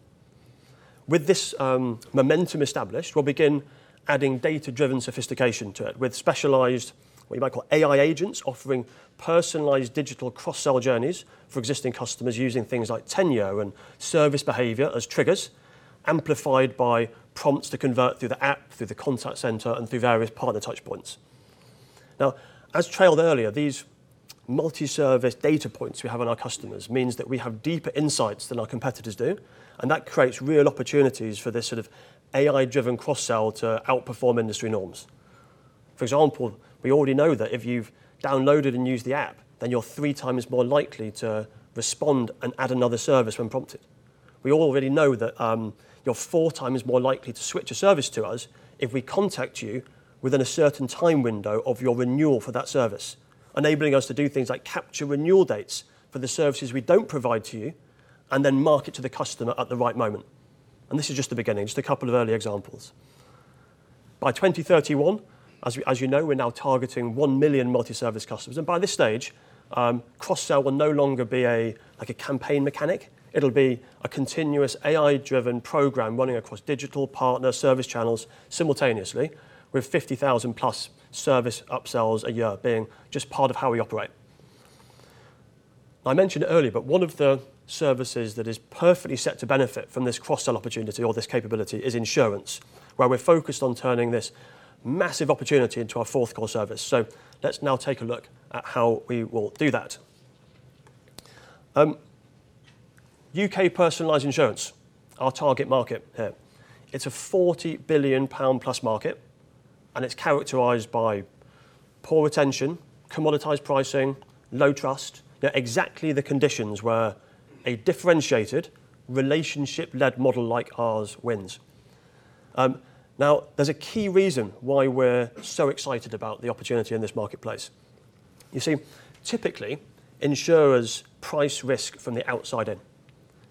With this momentum established, we'll begin adding data-driven sophistication to it with specialized, what you might call, AI agents offering personalized digital cross-sell journeys for existing customers using things like tenure and service behavior as triggers, amplified by prompts to convert through the app, through the contact center, and through various partner touchpoints. As trailed earlier, these multi-service data points we have on our customers means that we have deeper insights than our competitors do, and that creates real opportunities for this sort of AI-driven cross-sell to outperform industry norms. For example, we already know that if you've downloaded and used the app, then you're three times more likely to respond and add another service when prompted. We already know that you're four times more likely to switch a service to us if we contact you within a certain time window of your renewal for that service, enabling us to do things like capture renewal dates for the services we don't provide to you, and then market to the customer at the right moment. This is just the beginning, just a couple of early examples. By 2031, as you know, we're now targeting 1 million multi-service customers, and by this stage, cross-sell will no longer be a campaign mechanic. It'll be a continuous AI-driven program running across digital partner service channels simultaneously with 50,000+ service upsells a year being just part of how we operate. I mentioned it earlier, but one of the services that is perfectly set to benefit from this cross-sell opportunity or this capability is insurance, where we're focused on turning this massive opportunity into our fourth core service. Let's now take a look at how we will do that. U.K. personalized insurance, our target market here. It's a 40 billion pound+ market, and it's characterized by poor retention, commoditized pricing, low trust. They're exactly the conditions where a differentiated relationship-led model like ours wins. There's a key reason why we're so excited about the opportunity in this marketplace. You see, typically, insurers price risk from the outside in.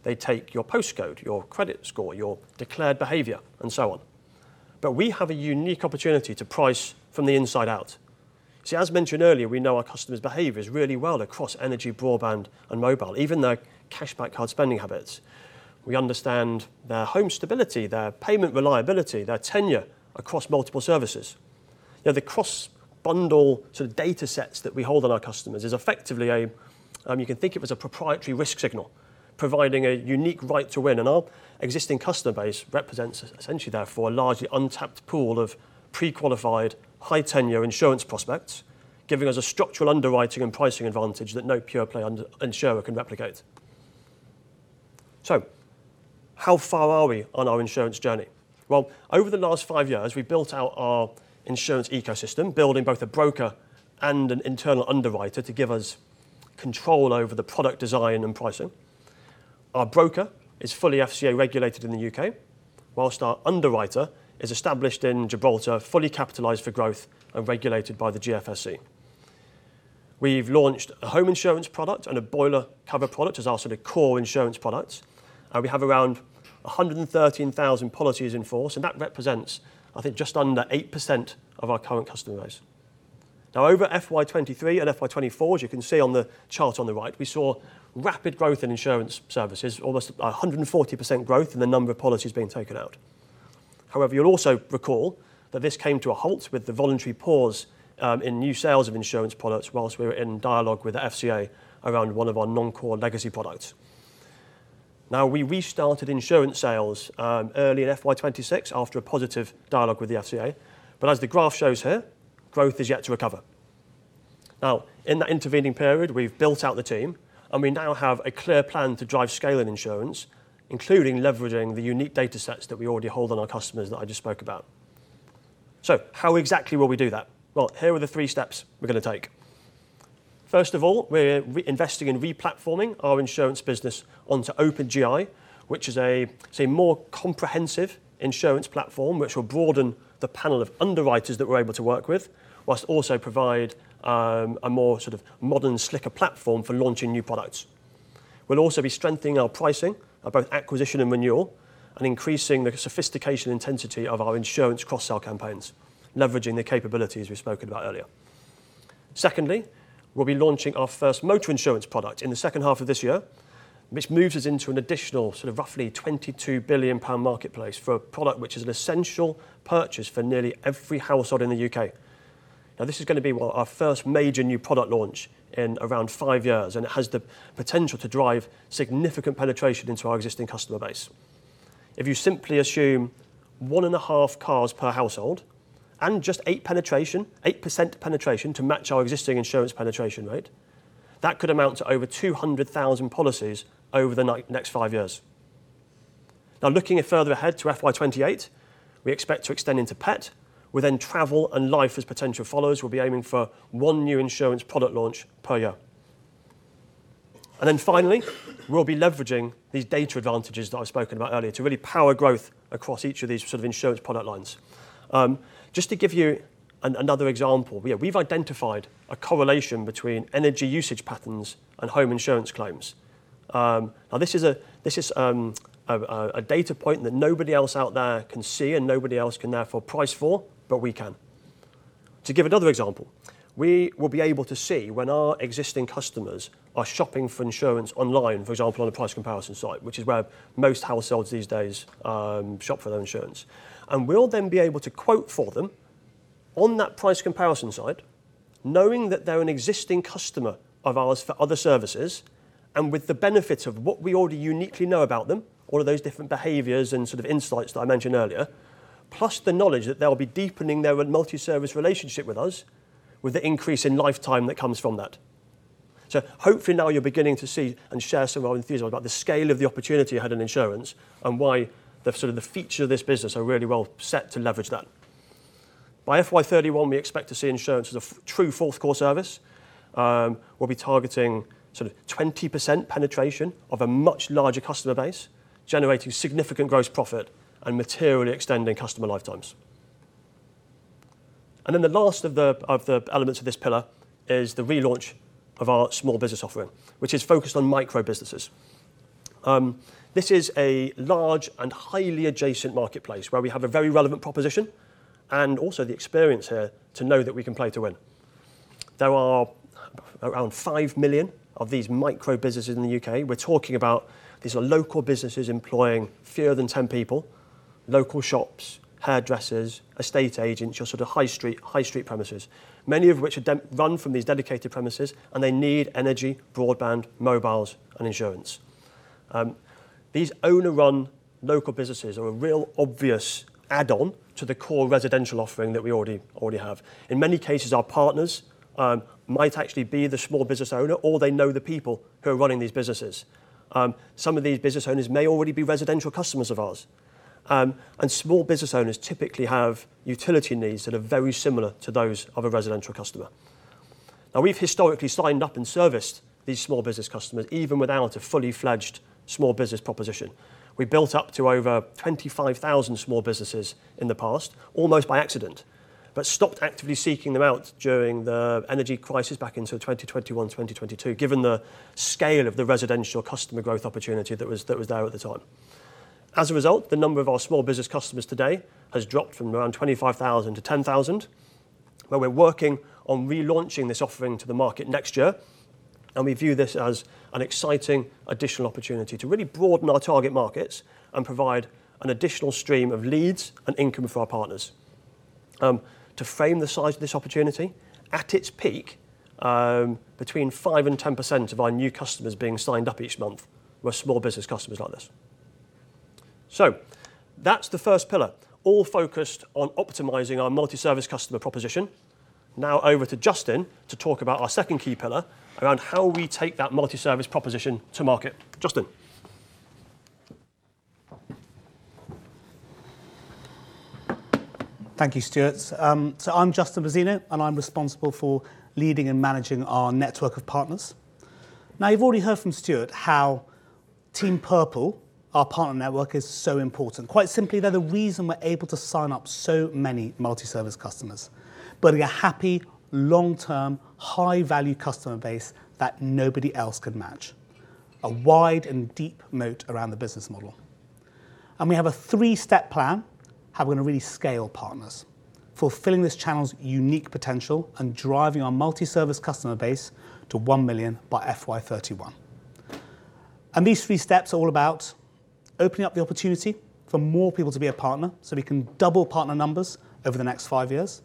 They take your postcode, your credit score, your declared behavior, and so on. We have a unique opportunity to price from the inside out. As mentioned earlier, we know our customers' behaviors really well across energy, broadband, and mobile, even their Cashback Card spending habits. We understand their home stability, their payment reliability, their tenure across multiple services. The cross-bundle data sets that we hold on our customers is effectively a, you can think it was a proprietary risk signal providing a unique right to win. Our existing customer base represents essentially, therefore, a largely untapped pool of pre-qualified, high-tenure insurance prospects, giving us a structural underwriting and pricing advantage that no pure-play insurer can replicate. How far are we on our insurance journey? Over the last five years, we built out our insurance ecosystem, building both a broker and an internal underwriter to give us control over the product design and pricing. Our broker is fully FCA regulated in the U.K., whilst our underwriter is established in Gibraltar, fully capitalized for growth, and regulated by the GFSC. We've launched a home insurance product and a boiler cover product as our sort of core insurance products. We have around 113,000 policies in force, and that represents, I think, just under 8% of our current customer base. Over FY 2023 and FY 2024, as you can see on the chart on the right, we saw rapid growth in insurance services, almost 140% growth in the number of policies being taken out. However, you'll also recall that this came to a halt with the voluntary pause in new sales of insurance products whilst we were in dialogue with the FCA around one of our non-core legacy products. We restarted insurance sales early in FY 2026 after a positive dialogue with the FCA, as the graph shows here, growth is yet to recover. In that intervening period, we've built out the team, and we now have a clear plan to drive scale in insurance, including leveraging the unique data sets that we already hold on our customers that I just spoke about. How exactly will we do that? Well, here are the three steps we're going to take. First of all, we're investing in re-platforming our insurance business onto Open GI, which is a more comprehensive insurance platform, which will broaden the panel of underwriters that we're able to work with, whilst also provide a more modern, slicker platform for launching new products. We'll also be strengthening our pricing of both acquisition and renewal, and increasing the sophistication intensity of our insurance cross-sell campaigns, leveraging the capabilities we've spoken about earlier. Secondly, we'll be launching our first motor insurance product in the second half of this year, which moves us into an additional roughly 22 billion pound marketplace for a product which is an essential purchase for nearly every household in the U.K. This is going to be our first major new product launch in around five years, and it has the potential to drive significant penetration into our existing customer base. If you simply assume one and a half cars per household and just 8% penetration to match our existing insurance penetration rate, that could amount to over 200,000 policies over the next five years. Looking further ahead to FY 2028, we expect to extend into pet, with then travel and life as potential followers. We'll be aiming for one new insurance product launch per year. Finally, we'll be leveraging these data advantages that I've spoken about earlier to really power growth across each of these insurance product lines. Just to give you another example, we've identified a correlation between energy usage patterns and home insurance claims. This is a data point that nobody else out there can see and nobody else can therefore price for, but we can. To give another example, we will be able to see when our existing customers are shopping for insurance online, for example, on a price comparison site, which is where most households these days shop for their insurance. We'll then be able to quote for them on that price comparison site, knowing that they're an existing customer of ours for other services and with the benefits of what we already uniquely know about them, all of those different behaviors and insights that I mentioned earlier, plus the knowledge that they'll be deepening their multi-service relationship with us, with the increase in lifetime that comes from that. Hopefully now you're beginning to see and share some of our enthusiasm about the scale of the opportunity we had in insurance and why the features of this business are really well set to leverage that. By FY 2031, we expect to see insurance as a true fourth core service. We'll be targeting 20% penetration of a much larger customer base, generating significant gross profit and materially extending customer lifetimes. The last of the elements of this pillar is the relaunch of our small business offering, which is focused on micro businesses. This is a large and highly adjacent marketplace where we have a very relevant proposition and also the experience here to know that we can play to win. There are around 5 million of these micro businesses in the U.K. We're talking about these are local businesses employing fewer than 10 people, local shops, hairdressers, estate agents, your high street premises, many of which are run from these dedicated premises, and they need energy, broadband, mobiles, and insurance. These owner-run local businesses are a real obvious add-on to the core residential offering that we already have. In many cases, our partners might actually be the small business owner, or they know the people who are running these businesses. Some of these business owners may already be residential customers of ours. Small business owners typically have utility needs that are very similar to those of a residential customer. We've historically signed up and serviced these small business customers, even without a fully fledged small business proposition. We built up to over 25,000 small businesses in the past, almost by accident, stopped actively seeking them out during the energy crisis back in 2021, 2022, given the scale of the residential customer growth opportunity that was there at the time. As a result, the number of our small business customers today has dropped from around 25,000 to 10,000. We're working on relaunching this offering to the market next year, and we view this as an exciting additional opportunity to really broaden our target markets and provide an additional stream of leads and income for our partners. To frame the size of this opportunity, at its peak, between 5% and 10% of our new customers being signed up each month were small business customers like this. That's the first pillar, all focused on optimizing our multi-service customer proposition. Over to Justin to talk about our second key pillar around how we take that multi-service proposition to market. Justin. Thank you, Stuart. I'm Justin Mazzina, and I'm responsible for leading and managing our network of partners. You've already heard from Stuart how Team Purple, our partner network, is so important. Quite simply, they're the reason we're able to sign up so many multi-service customers, building a happy, long-term, high-value customer base that nobody else could match. A wide and deep moat around the business model. We have a three-step plan how we're going to really scale partners, fulfilling this channel's unique potential and driving our multi-service customer base to 1 million by FY 2031. These three steps are all about opening up the opportunity for more people to be a partner so we can double partner numbers over the next five years,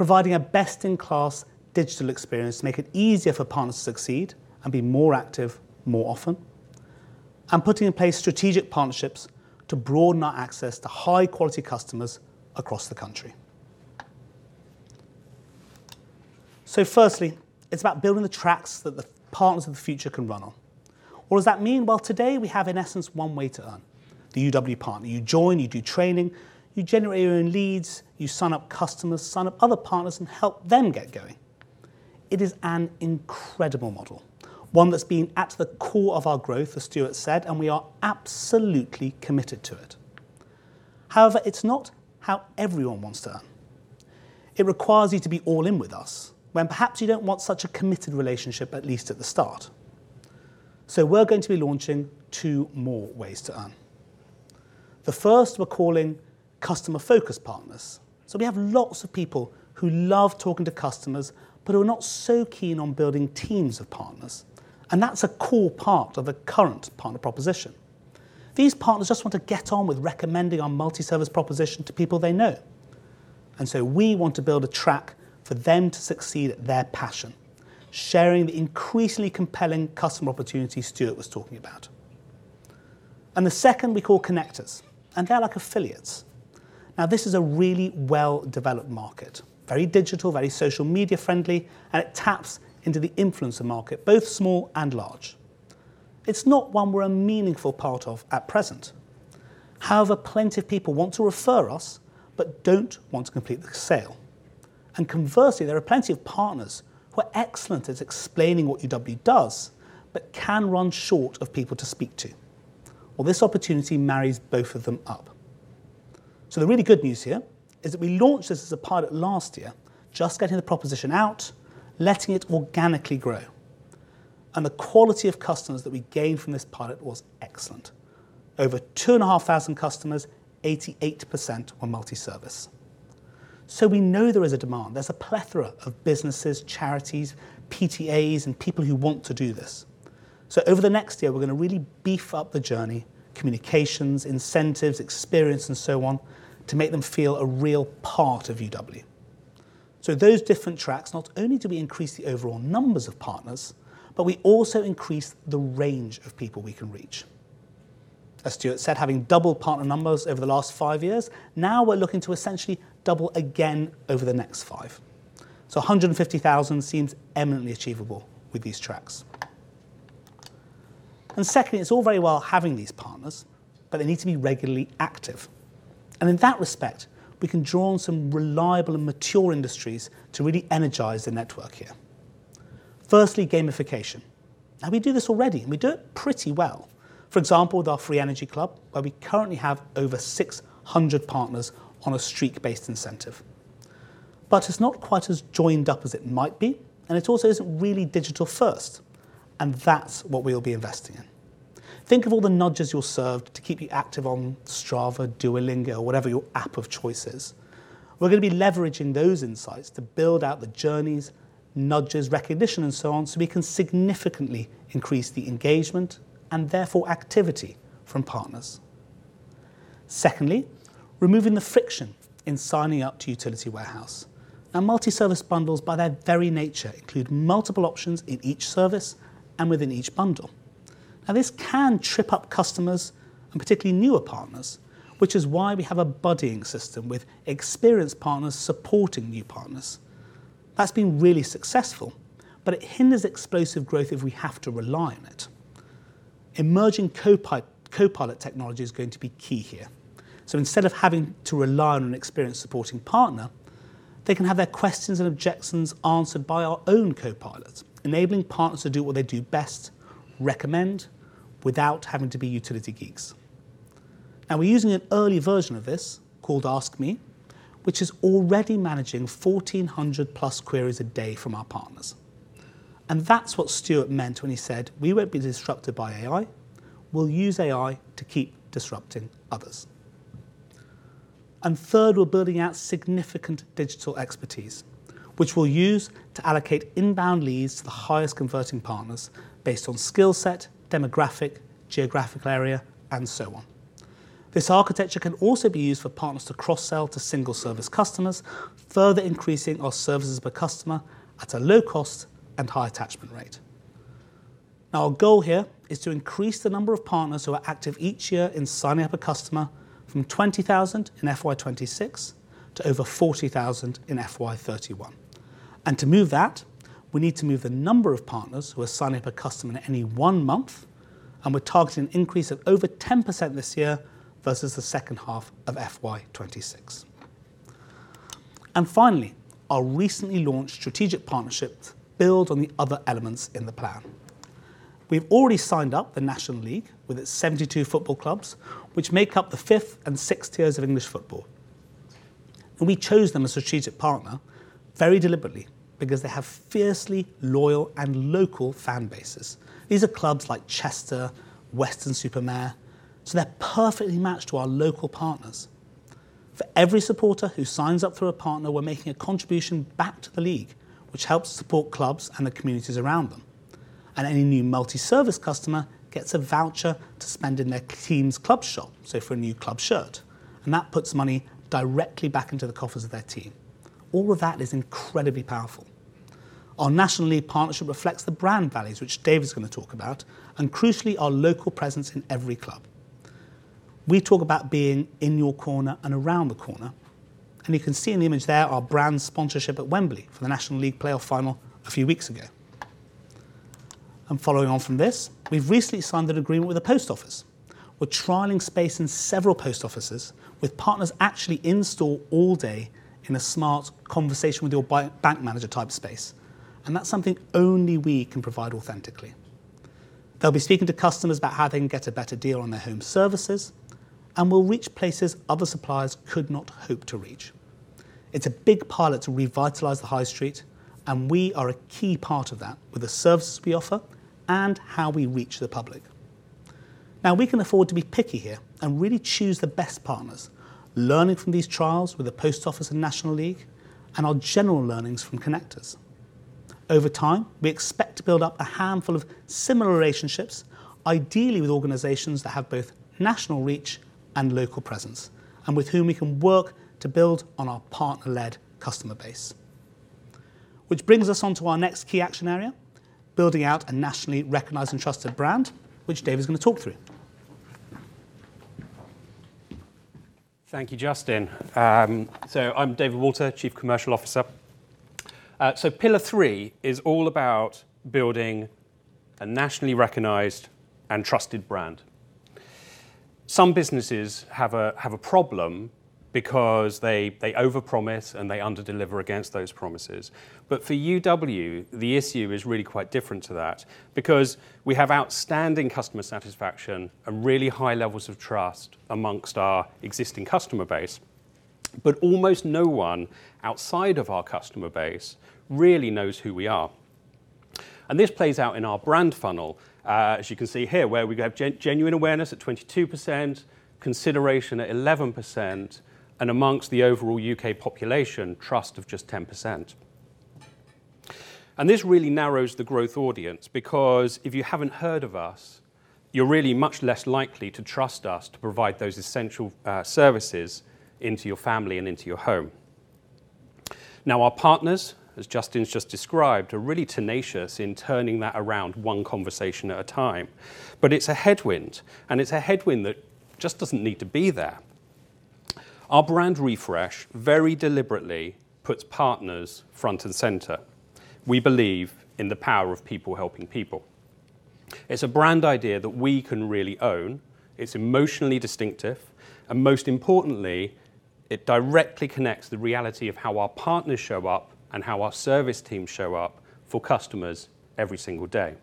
providing a best-in-class digital experience to make it easier for partners to succeed and be more active more often, and putting in place strategic partnerships to broaden our access to high-quality customers across the country. Firstly, it's about building the tracks that the partners of the future can run on. What does that mean? Today we have, in essence, one way to earn, the UW partner. You join, you do training, you generate your own leads, you sign up customers, sign up other partners, and help them get going. It is an incredible model, one that's been at the core of our growth, as Stuart said, and we are absolutely committed to it. However, it's not how everyone wants to earn. It requires you to be all in with us when perhaps you don't want such a committed relationship, at least at the start. We're going to be launching two more ways to earn. The first we're calling customer-focused partners. We have lots of people who love talking to customers but who are not so keen on building teams of partners, and that's a core part of the current partner proposition. These partners just want to get on with recommending our multi-service proposition to people they know. We want to build a track for them to succeed at their passion, sharing the increasingly compelling customer opportunities Stuart was talking about. The second we call connectors, and they're like affiliates. This is a really well-developed market, very digital, very social media-friendly, and it taps into the influencer market, both small and large. It's not one we're a meaningful part of at present. However, plenty of people want to refer us but don't want to complete the sale. Conversely, there are plenty of partners who are excellent at explaining what UW does but can run short of people to speak to. This opportunity marries both of them up. The really good news here is that we launched this as a pilot last year, just getting the proposition out, letting it organically grow. The quality of customers that we gained from this pilot was excellent. Over 2,500 customers, 88% on multi-service. We know there is a demand. There's a plethora of businesses, charities, PTAs, and people who want to do this. Over the next year, we're going to really beef up the journey, communications, incentives, experience, and so on, to make them feel a real part of UW. Those different tracks, not only do we increase the overall numbers of partners, but we also increase the range of people we can reach. As Stuart said, having doubled partner numbers over the last five years, now we're looking to essentially double again over the next five. 150,000 seems eminently achievable with these tracks. Secondly, it's all very well having these partners, but they need to be regularly active. In that respect, we can draw on some reliable and mature industries to really energize the network here. Firstly, gamification. We do this already, and we do it pretty well. For example, with our Free Energy Club, where we currently have over 600 partners on a streak-based incentive. It's not quite as joined up as it might be, and it also isn't really digital first, and that's what we'll be investing in. Think of all the nudges you're served to keep you active on Strava, Duolingo, or whatever your app of choice is. We're going to be leveraging those insights to build out the journeys, nudges, recognition, and so on, so we can significantly increase the engagement and therefore activity from partners. Secondly, removing the friction in signing up to Utility Warehouse. Multi-service bundles, by their very nature, include multiple options in each service and within each bundle. This can trip up customers and particularly newer partners, which is why we have a buddying system with experienced partners supporting new partners. That's been really successful, but it hinders explosive growth if we have to rely on it. Emerging copilot technology is going to be key here. Instead of having to rely on an experienced supporting partner, they can have their questions and objections answered by our own copilot, enabling partners to do what they do best, recommend, without having to be utility geeks. We're using an early version of this called Ask Me, which is already managing 1,400+ queries a day from our partners. That's what Stuart meant when he said we won't be disrupted by AI. We'll use AI to keep disrupting others. Third, we're building out significant digital expertise, which we'll use to allocate inbound leads to the highest converting partners based on skill set, demographic, geographic area, and so on. This architecture can also be used for partners to cross-sell to single-service customers, further increasing our services per customer at a low cost and high attachment rate. Our goal here is to increase the number of partners who are active each year in signing up a customer from 20,000 in FY 2026 to over 40,000 in FY 2031. To move that, we need to move the number of partners who are signing up a customer in any one month, and we're targeting an increase of over 10% this year versus the second half of FY 2026. Finally, our recently launched strategic partnerships build on the other elements in the plan. We've already signed up the National League with its 72 football clubs, which make up the fifth and sixth tiers of English football. We chose them as a strategic partner very deliberately because they have fiercely loyal and local fan bases. These are clubs like Chester, Weston-super-Mare, so they're perfectly matched to our local partners. For every supporter who signs up through a partner, we're making a contribution back to the league, which helps support clubs and the communities around them. Any new multi-service customer gets a voucher to spend in their team's club shop, so for a new club shirt, and that puts money directly back into the coffers of their team. All of that is incredibly powerful. Our National League partnership reflects the brand values, which Dave is going to talk about, and crucially, our local presence in every club. We talk about being in your corner and around the corner, and you can see in the image there our brand sponsorship at Wembley for the National League playoff final a few weeks ago. Following on from this, we've recently signed an agreement with the Post Office. We're trialing space in several Post Offices with partners actually in-store all day in a smart conversation with your bank manager type space. That's something only we can provide authentically. They'll be speaking to customers about how they can get a better deal on their home services, and we'll reach places other suppliers could not hope to reach. It's a big pilot to revitalize the high street, and we are a key part of that with the services we offer and how we reach the public. Now, we can afford to be picky here and really choose the best partners, learning from these trials with the Post Office and National League, and our general learnings from connectors. Over time, we expect to build up a handful of similar relationships, ideally with organizations that have both national reach and local presence, and with whom we can work to build on our partner-led customer base. Which brings us onto our next key action area, building out a nationally recognized and trusted brand, which Dave is going to talk through. Thank you, Justin. I'm David Walter, Chief Commercial Officer. Pillar three is all about building a nationally recognized and trusted brand. Some businesses have a problem because they overpromise and they underdeliver against those promises. For UW, the issue is really quite different to that because we have outstanding customer satisfaction and really high levels of trust amongst our existing customer base, but almost no one outside of our customer base really knows who we are. This plays out in our brand funnel, as you can see here, where we have genuine awareness at 22%, consideration at 11%, and amongst the overall U.K. population, trust of just 10%. This really narrows the growth audience, because if you haven't heard of us, you're really much less likely to trust us to provide those essential services into your family and into your home. Now, our partners, as Justin's just described, are really tenacious in turning that around one conversation at a time. It's a headwind, and it's a headwind that just doesn't need to be there. Our brand refresh very deliberately puts partners front and center. We believe in the power of people helping people. It's a brand idea that we can really own, it's emotionally distinctive, and most importantly, it directly connects the reality of how our partners show up and how our service teams show up for customers every single day.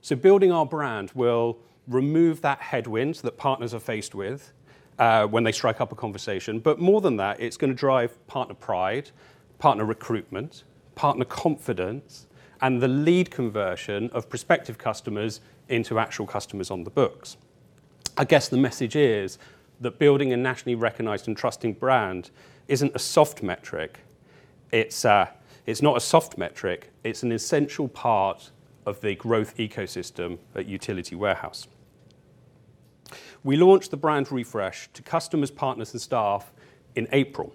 So building our brand will remove that headwind that partners are faced with when they strike up a conversation. But more than that, it's going to drive partner pride, partner recruitment, partner confidence, and the lead conversion of prospective customers into actual customers on the books. I guess the message is that building a nationally recognized and trusting brand isn't a soft metric. It's not a soft metric, it's an essential part of the growth ecosystem at Utility Warehouse. We launched the brand refresh to customers, partners, and staff in April.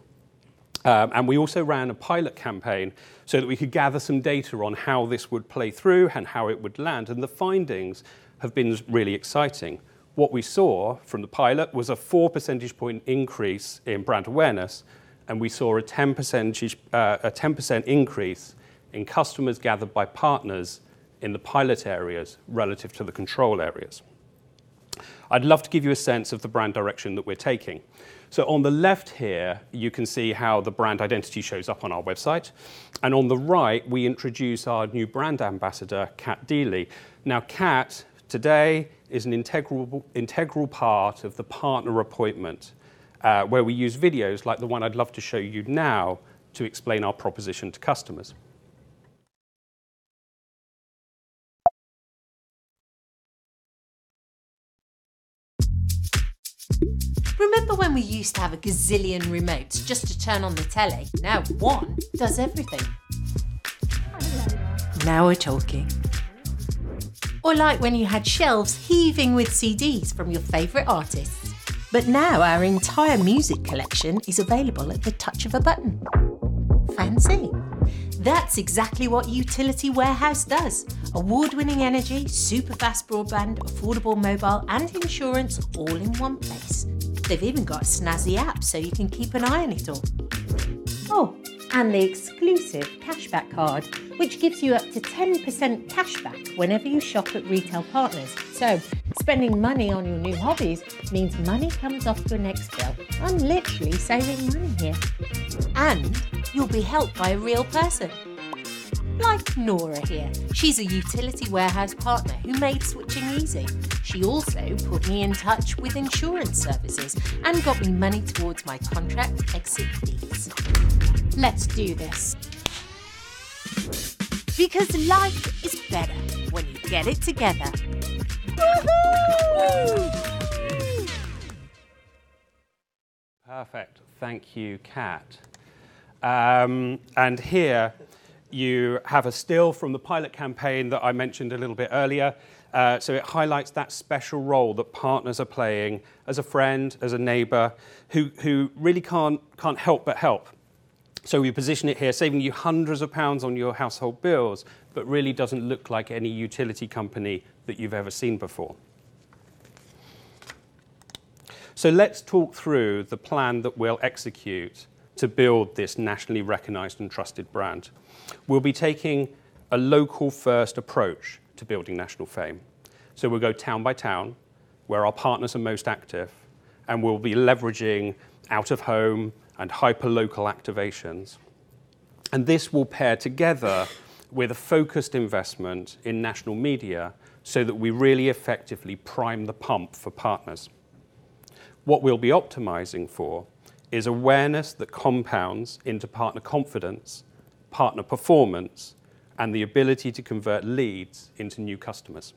We also ran a pilot campaign so that we could gather some data on how this would play through and how it would land, and the findings have been really exciting. What we saw from the pilot was a four percentage point increase in brand awareness, and we saw a 10% increase in customers gathered by partners in the pilot areas relative to the control areas. I'd love to give you a sense of the brand direction that we're taking. So on the left here, you can see how the brand identity shows up on our website. On the right, we introduce our new brand ambassador, Cat Deeley. Now, Cat today is an integral part of the partner appointment, where we use videos like the one I'd love to show you now to explain our proposition to customers. Remember when we used to have a gazillion remotes just to turn on the telly? Now one does everything. Hello. Now we're talking. Or like when you had shelves heaving with CDs from your favorite artist. Now our entire music collection is available at the touch of a button. Fancy. That's exactly what Utility Warehouse does. Award-winning energy, super fast broadband, affordable mobile, and insurance all in one place. They've even got a snazzy app so you can keep an eye on it all. The exclusive Cashback Card, which gives you up to 10% cashback whenever you shop at retail partners. So spending money on your new hobbies means money comes off your next bill. I'm literally saving money here. And you'll be helped by a real person Like Nora here, she's a Utility Warehouse partner who made switching easy. She also put me in touch with insurance services and got me money towards my contract exit fees. Let's do this. Because life is better when you get it together. Woo-hoo. Perfect. Thank you, Cat. Here you have a still from the pilot campaign that I mentioned a little bit earlier. It highlights that special role that partners are playing as a friend, as a neighbor who really can't help but help. We position it here, "Saving you hundreds of pounds on your household bills," but really doesn't look like any Utility Warehouse company that you've ever seen before. Let's talk through the plan that we'll execute to build this nationally recognized and trusted brand. We'll be taking a local-first approach to building national fame. We'll go town by town, where our partners are most active, and we'll be leveraging out-of-home and hyper local activations. This will pair together with a focused investment in national media so that we really effectively prime the pump for partners. What we'll be optimizing for is awareness that compounds into partner confidence, partner performance, and the ability to convert leads into new customers.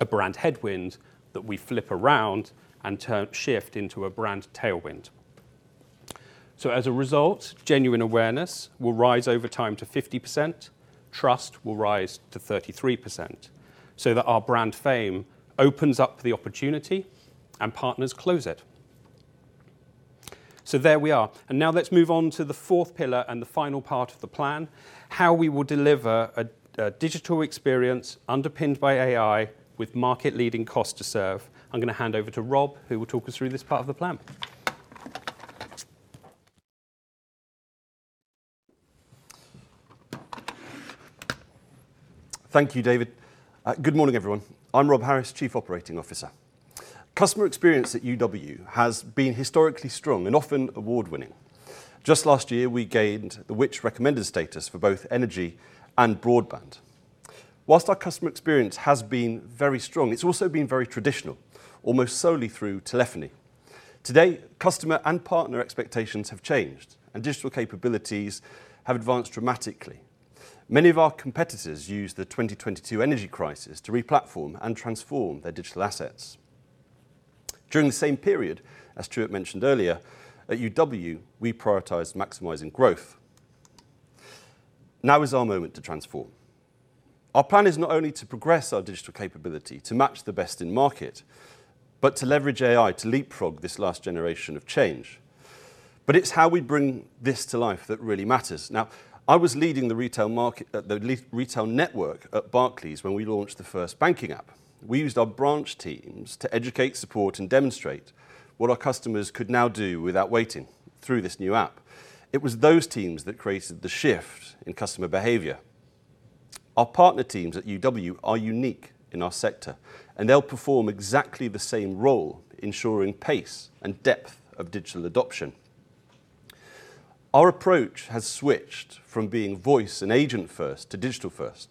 A brand headwind that we flip around and shift into a brand tailwind. As a result, genuine awareness will rise over time to 50%, trust will rise to 33%, so that our brand fame opens up the opportunity and partners close it. There we are. Now let's move on to the fourth pillar and the final part of the plan, how we will deliver a digital experience underpinned by AI with market-leading cost to serve. I'm going to hand over to Rob, who will talk us through this part of the plan. Thank you, David. Good morning, everyone. I'm Rob Harris, Chief Operating Officer. Customer experience at UW has been historically strong and often award-winning. Just last year, we gained the Which? Recommended status for both energy and broadband. Whilst our customer experience has been very strong, it's also been very traditional, almost solely through telephony. Today, customer and partner expectations have changed, and digital capabilities have advanced dramatically. Many of our competitors used the 2022 energy crisis to replatform and transform their digital assets. During the same period, as Stuart mentioned earlier, at UW, we prioritized maximizing growth. Now is our moment to transform. Our plan is not only to progress our digital capability to match the best in market, but to leverage AI to leapfrog this last generation of change. It's how we bring this to life that really matters. I was leading the retail network at Barclays when we launched the first banking app. We used our branch teams to educate, support, and demonstrate what our customers could now do without waiting through this new app. It was those teams that created the shift in customer behavior. Our partner teams at UW are unique in our sector, and they'll perform exactly the same role ensuring pace and depth of digital adoption. Our approach has switched from being voice and agent first to digital first,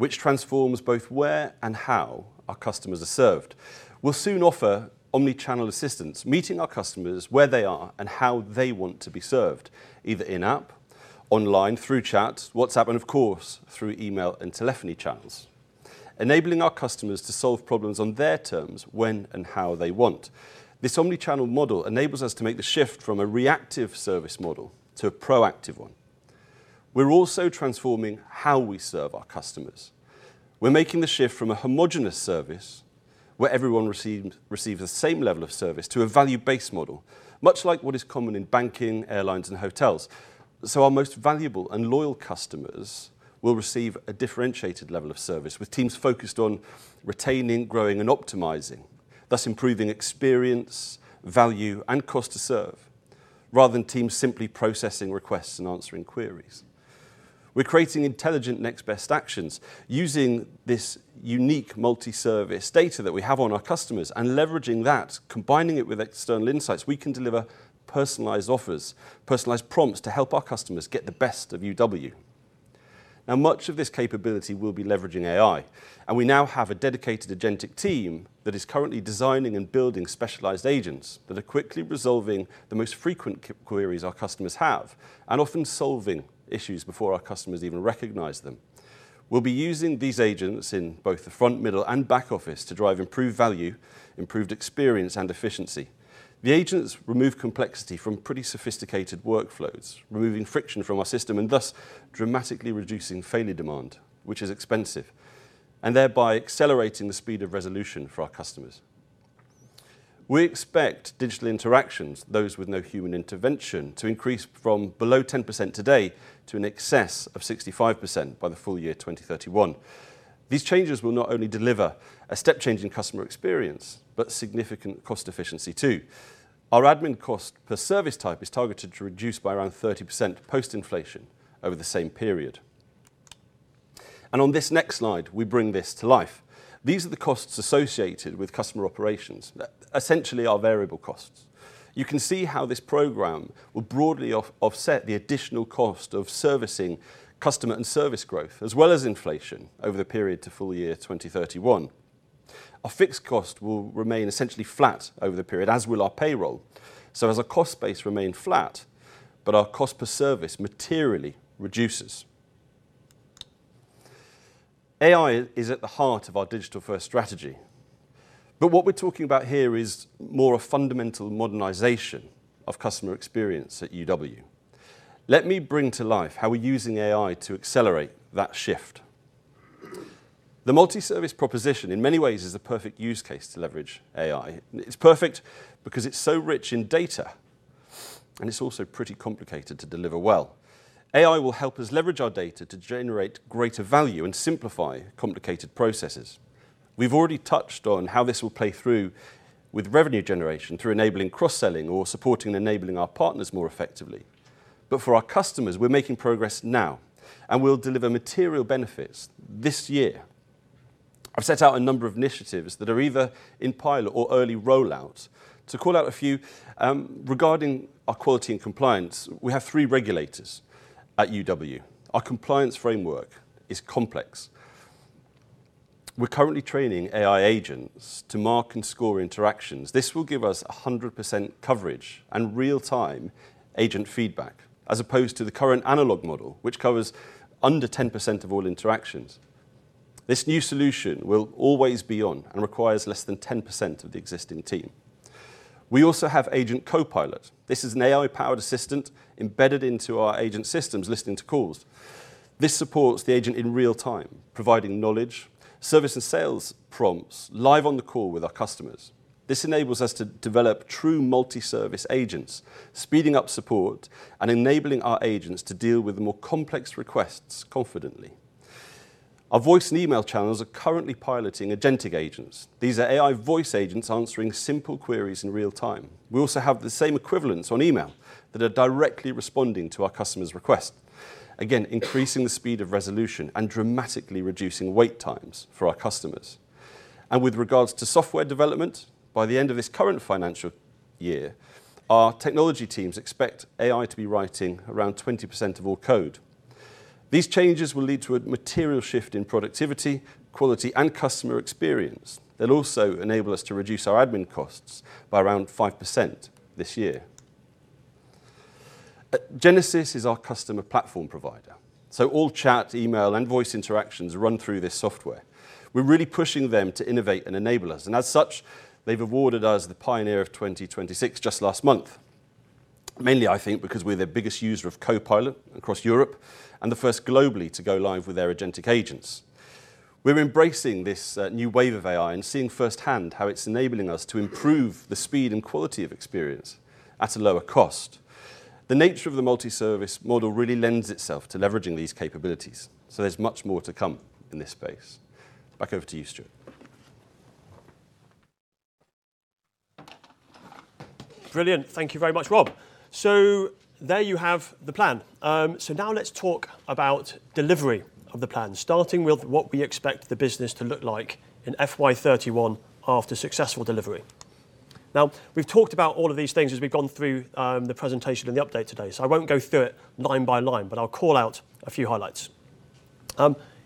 which transforms both where and how our customers are served. We'll soon offer omni-channel assistance, meeting our customers where they are and how they want to be served, either in-app, online through chat, WhatsApp, and of course, through email and telephony channels. Enabling our customers to solve problems on their terms when and how they want. This omni-channel model enables us to make the shift from a reactive service model to a proactive one. We're also transforming how we serve our customers. We're making the shift from a homogenous service where everyone receives the same level of service to a value-based model, much like what is common in banking, airlines, and hotels. Our most valuable and loyal customers will receive a differentiated level of service with teams focused on retaining, growing, and optimizing, thus improving experience, value, and cost to serve, rather than teams simply processing requests and answering queries. We're creating intelligent next best actions using this unique multi-service data that we have on our customers and leveraging that, combining it with external insights, we can deliver personalized offers, personalized prompts to help our customers get the best of UW. Much of this capability will be leveraging AI, and we now have a dedicated agentic team that is currently designing and building specialized agents that are quickly resolving the most frequent queries our customers have and often solving issues before our customers even recognize them. We'll be using these agents in both the front, middle, and back office to drive improved value, improved experience, and efficiency. The agents remove complexity from pretty sophisticated workflows, removing friction from our system, and thus dramatically reducing failure demand, which is expensive, and thereby accelerating the speed of resolution for our customers. We expect digital interactions, those with no human intervention, to increase from below 10% today to in excess of 65% by the full-year 2031. These changes will not only deliver a step change in customer experience, but significant cost efficiency too. Our admin cost per service type is targeted to reduce by around 30% post-inflation over the same period. On this next slide, we bring this to life. These are the costs associated with customer operations. Essentially, our variable costs. You can see how this program will broadly offset the additional cost of servicing customer and service growth, as well as inflation over the period to full-year 2031. Our fixed cost will remain essentially flat over the period, as will our payroll. As our cost base remain flat, but our cost per service materially reduces. AI is at the heart of our digital-first strategy. What we're talking about here is more a fundamental modernization of customer experience at UW. Let me bring to life how we're using AI to accelerate that shift. The multi-service proposition, in many ways, is the perfect use case to leverage AI. It's perfect because it's so rich in data, and it's also pretty complicated to deliver well. AI will help us leverage our data to generate greater value and simplify complicated processes. We've already touched on how this will play through with revenue generation through enabling cross-selling or supporting and enabling our partners more effectively. For our customers, we're making progress now, and we'll deliver material benefits this year. I've set out a number of initiatives that are either in pilot or early rollout. To call out a few, regarding our quality and compliance, we have three regulators at UW. Our compliance framework is complex. We're currently training AI agents to mark and score interactions. This will give us 100% coverage and real-time agent feedback, as opposed to the current analog model, which covers under 10% of all interactions. This new solution will always be on and requires less than 10% of the existing team. We also have Agent Copilot. This is an AI-powered assistant embedded into our agent systems, listening to calls. This supports the agent in real time, providing knowledge, service, and sales prompts live on the call with our customers. This enables us to develop true multi-service agents, speeding up support and enabling our agents to deal with more complex requests confidently. Our voice and email channels are currently piloting agentic agents. These are AI voice agents answering simple queries in real time. We also have the same equivalents on email that are directly responding to our customers' request. Again, increasing the speed of resolution and dramatically reducing wait times for our customers. With regards to software development, by the end of this current financial year, our technology teams expect AI to be writing around 20% of all code. These changes will lead to a material shift in productivity, quality, and customer experience. They'll also enable us to reduce our admin costs by around 5% this year. Genesys is our customer platform provider. All chat, email, and voice interactions run through this software. We're really pushing them to innovate and enable us. As such, they've awarded us the Pioneer of 2026 just last month. Mainly, I think, because we're their biggest user of Copilot across Europe and the first globally to go live with their agentic agents. We're embracing this new wave of AI and seeing firsthand how it's enabling us to improve the speed and quality of experience at a lower cost. The nature of the multi-service model really lends itself to leveraging these capabilities, so there's much more to come in this space. Back over to you, Stuart. Brilliant. Thank you very much, Rob. There you have the plan. Now let's talk about delivery of the plan, starting with what we expect the business to look like in FY 2031 after successful delivery. We've talked about all of these things as we've gone through the presentation and the update today. I won't go through it line by line, but I'll call out a few highlights.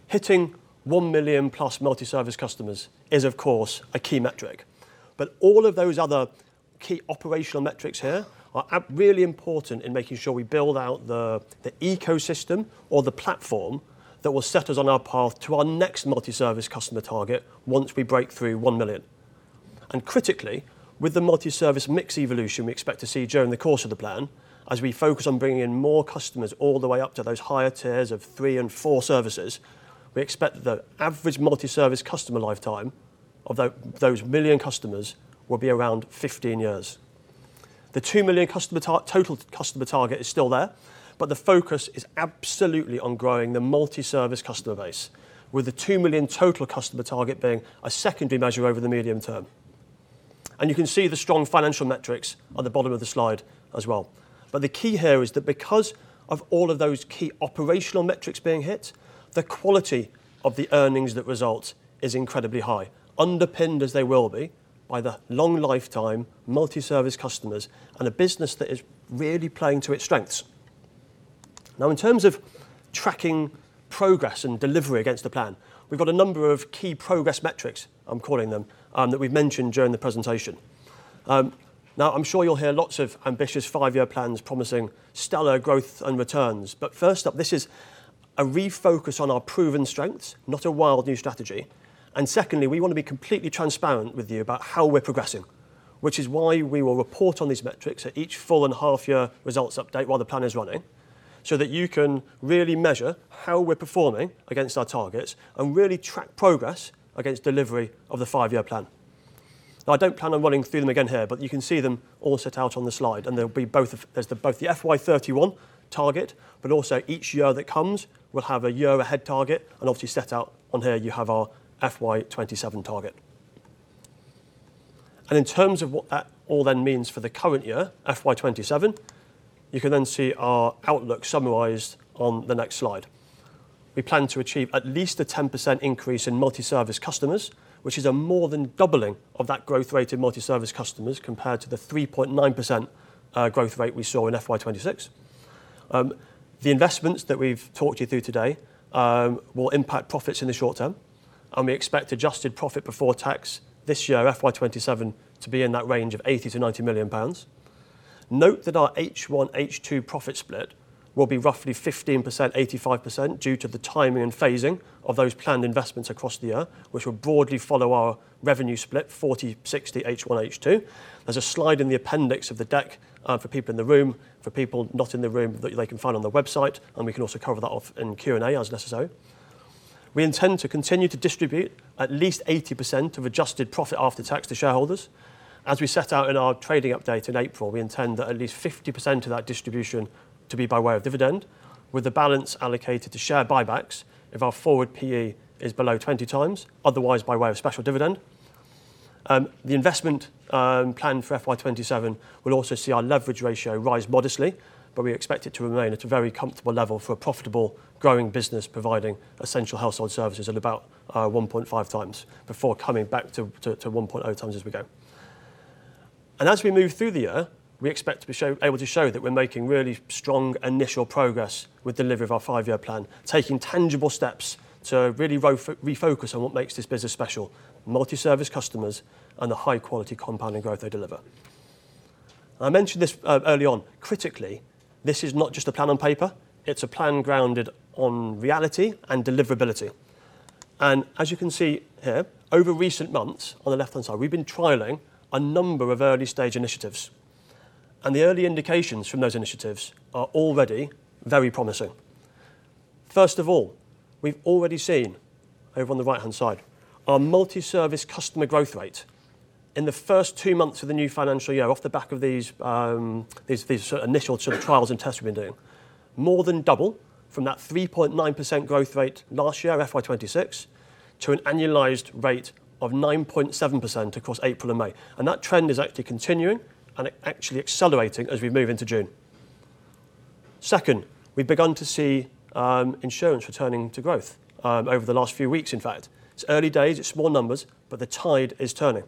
Hitting 1 million+ multi-service customers is, of course, a key metric. All of those other key operational metrics here are really important in making sure we build out the ecosystem or the platform that will set us on our path to our next multi-service customer target once we break through 1 million. Critically, with the multi-service mix evolution we expect to see during the course of the plan, as we focus on bringing in more customers all the way up to those higher tiers of three and four services, we expect that the average multi-service customer lifetime of those million customers will be around 15 years. The 2 million total customer target is still there, but the focus is absolutely on growing the multi-service customer base, with the 2 million total customer target being a secondary measure over the medium term. You can see the strong financial metrics at the bottom of the slide as well. The key here is that because of all of those key operational metrics being hit, the quality of the earnings that result is incredibly high. Underpinned as they will be by the long lifetime multi-service customers and a business that is really playing to its strengths. In terms of tracking progress and delivery against the plan, we've got a number of key progress metrics, I'm calling them, that we've mentioned during the presentation. I'm sure you'll hear lots of ambitious five year plans promising stellar growth and returns. First up, this is a refocus on our proven strengths, not a wild new strategy. Secondly, we want to be completely transparent with you about how we're progressing, which is why we will report on these metrics at each full and half year results update while the plan is running, so that you can really measure how we're performing against our targets and really track progress against delivery of the five year plan. I don't plan on running through them again here, but you can see them all set out on the slide, and there's both the FY 2031 target, but also each year that comes will have a year ahead target, and obviously set out on here you have our FY 2027 target. In terms of what that all then means for the current year, FY 2027, you can then see our outlook summarized on the next slide. We plan to achieve at least a 10% increase in multi-service customers, which is a more than doubling of that growth rate in multi-service customers compared to the 3.9% growth rate we saw in FY 2026. The investments that we've talked you through today will impact profits in the short-term, and we expect adjusted profit before tax this year, FY 2027, to be in that range of 80 million to 90 million pounds. Note that our H1, H2 profit split will be roughly 15%/85% due to the timing and phasing of those planned investments across the year, which will broadly follow our revenue split, 40/60 H1, H2. There's a slide in the appendix of the deck for people in the room, for people not in the room, that they can find on the website, and we can also cover that off in Q&A as necessary. We intend to continue to distribute at least 80% of adjusted profit after tax to shareholders. As we set out in our trading update in April, we intend that at least 50% of that distribution to be by way of dividend, with the balance allocated to share buybacks if our forward PE is below 20x, otherwise by way of special dividend. The investment plan for FY 2027 will also see our leverage ratio rise modestly, but we expect it to remain at a very comfortable level for a profitable, growing business providing essential household services at about 1.5x before coming back to 1.0x as we go. As we move through the year, we expect to be able to show that we're making really strong initial progress with delivery of our five-year plan, taking tangible steps to really refocus on what makes this business special, multi-service customers and the high-quality compounding growth they deliver. I mentioned this early on, critically, this is not just a plan on paper, it's a plan grounded on reality and deliverability. As you can see here, over recent months, on the left-hand side, we've been trialing a number of early-stage initiatives. The early indications from those initiatives are already very promising. First of all, we've already seen, over on the right-hand side, our multi-service customer growth rate in the first two months of the new financial year, off the back of these initial trials and tests we've been doing, more than double from that 3.9% growth rate last year, FY 2026, to an annualized rate of 9.7% across April and May. That trend is actually continuing and actually accelerating as we move into June. Second, we've begun to see insurance returning to growth over the last few weeks, in fact. It's early days, it's small numbers, but the tide is turning.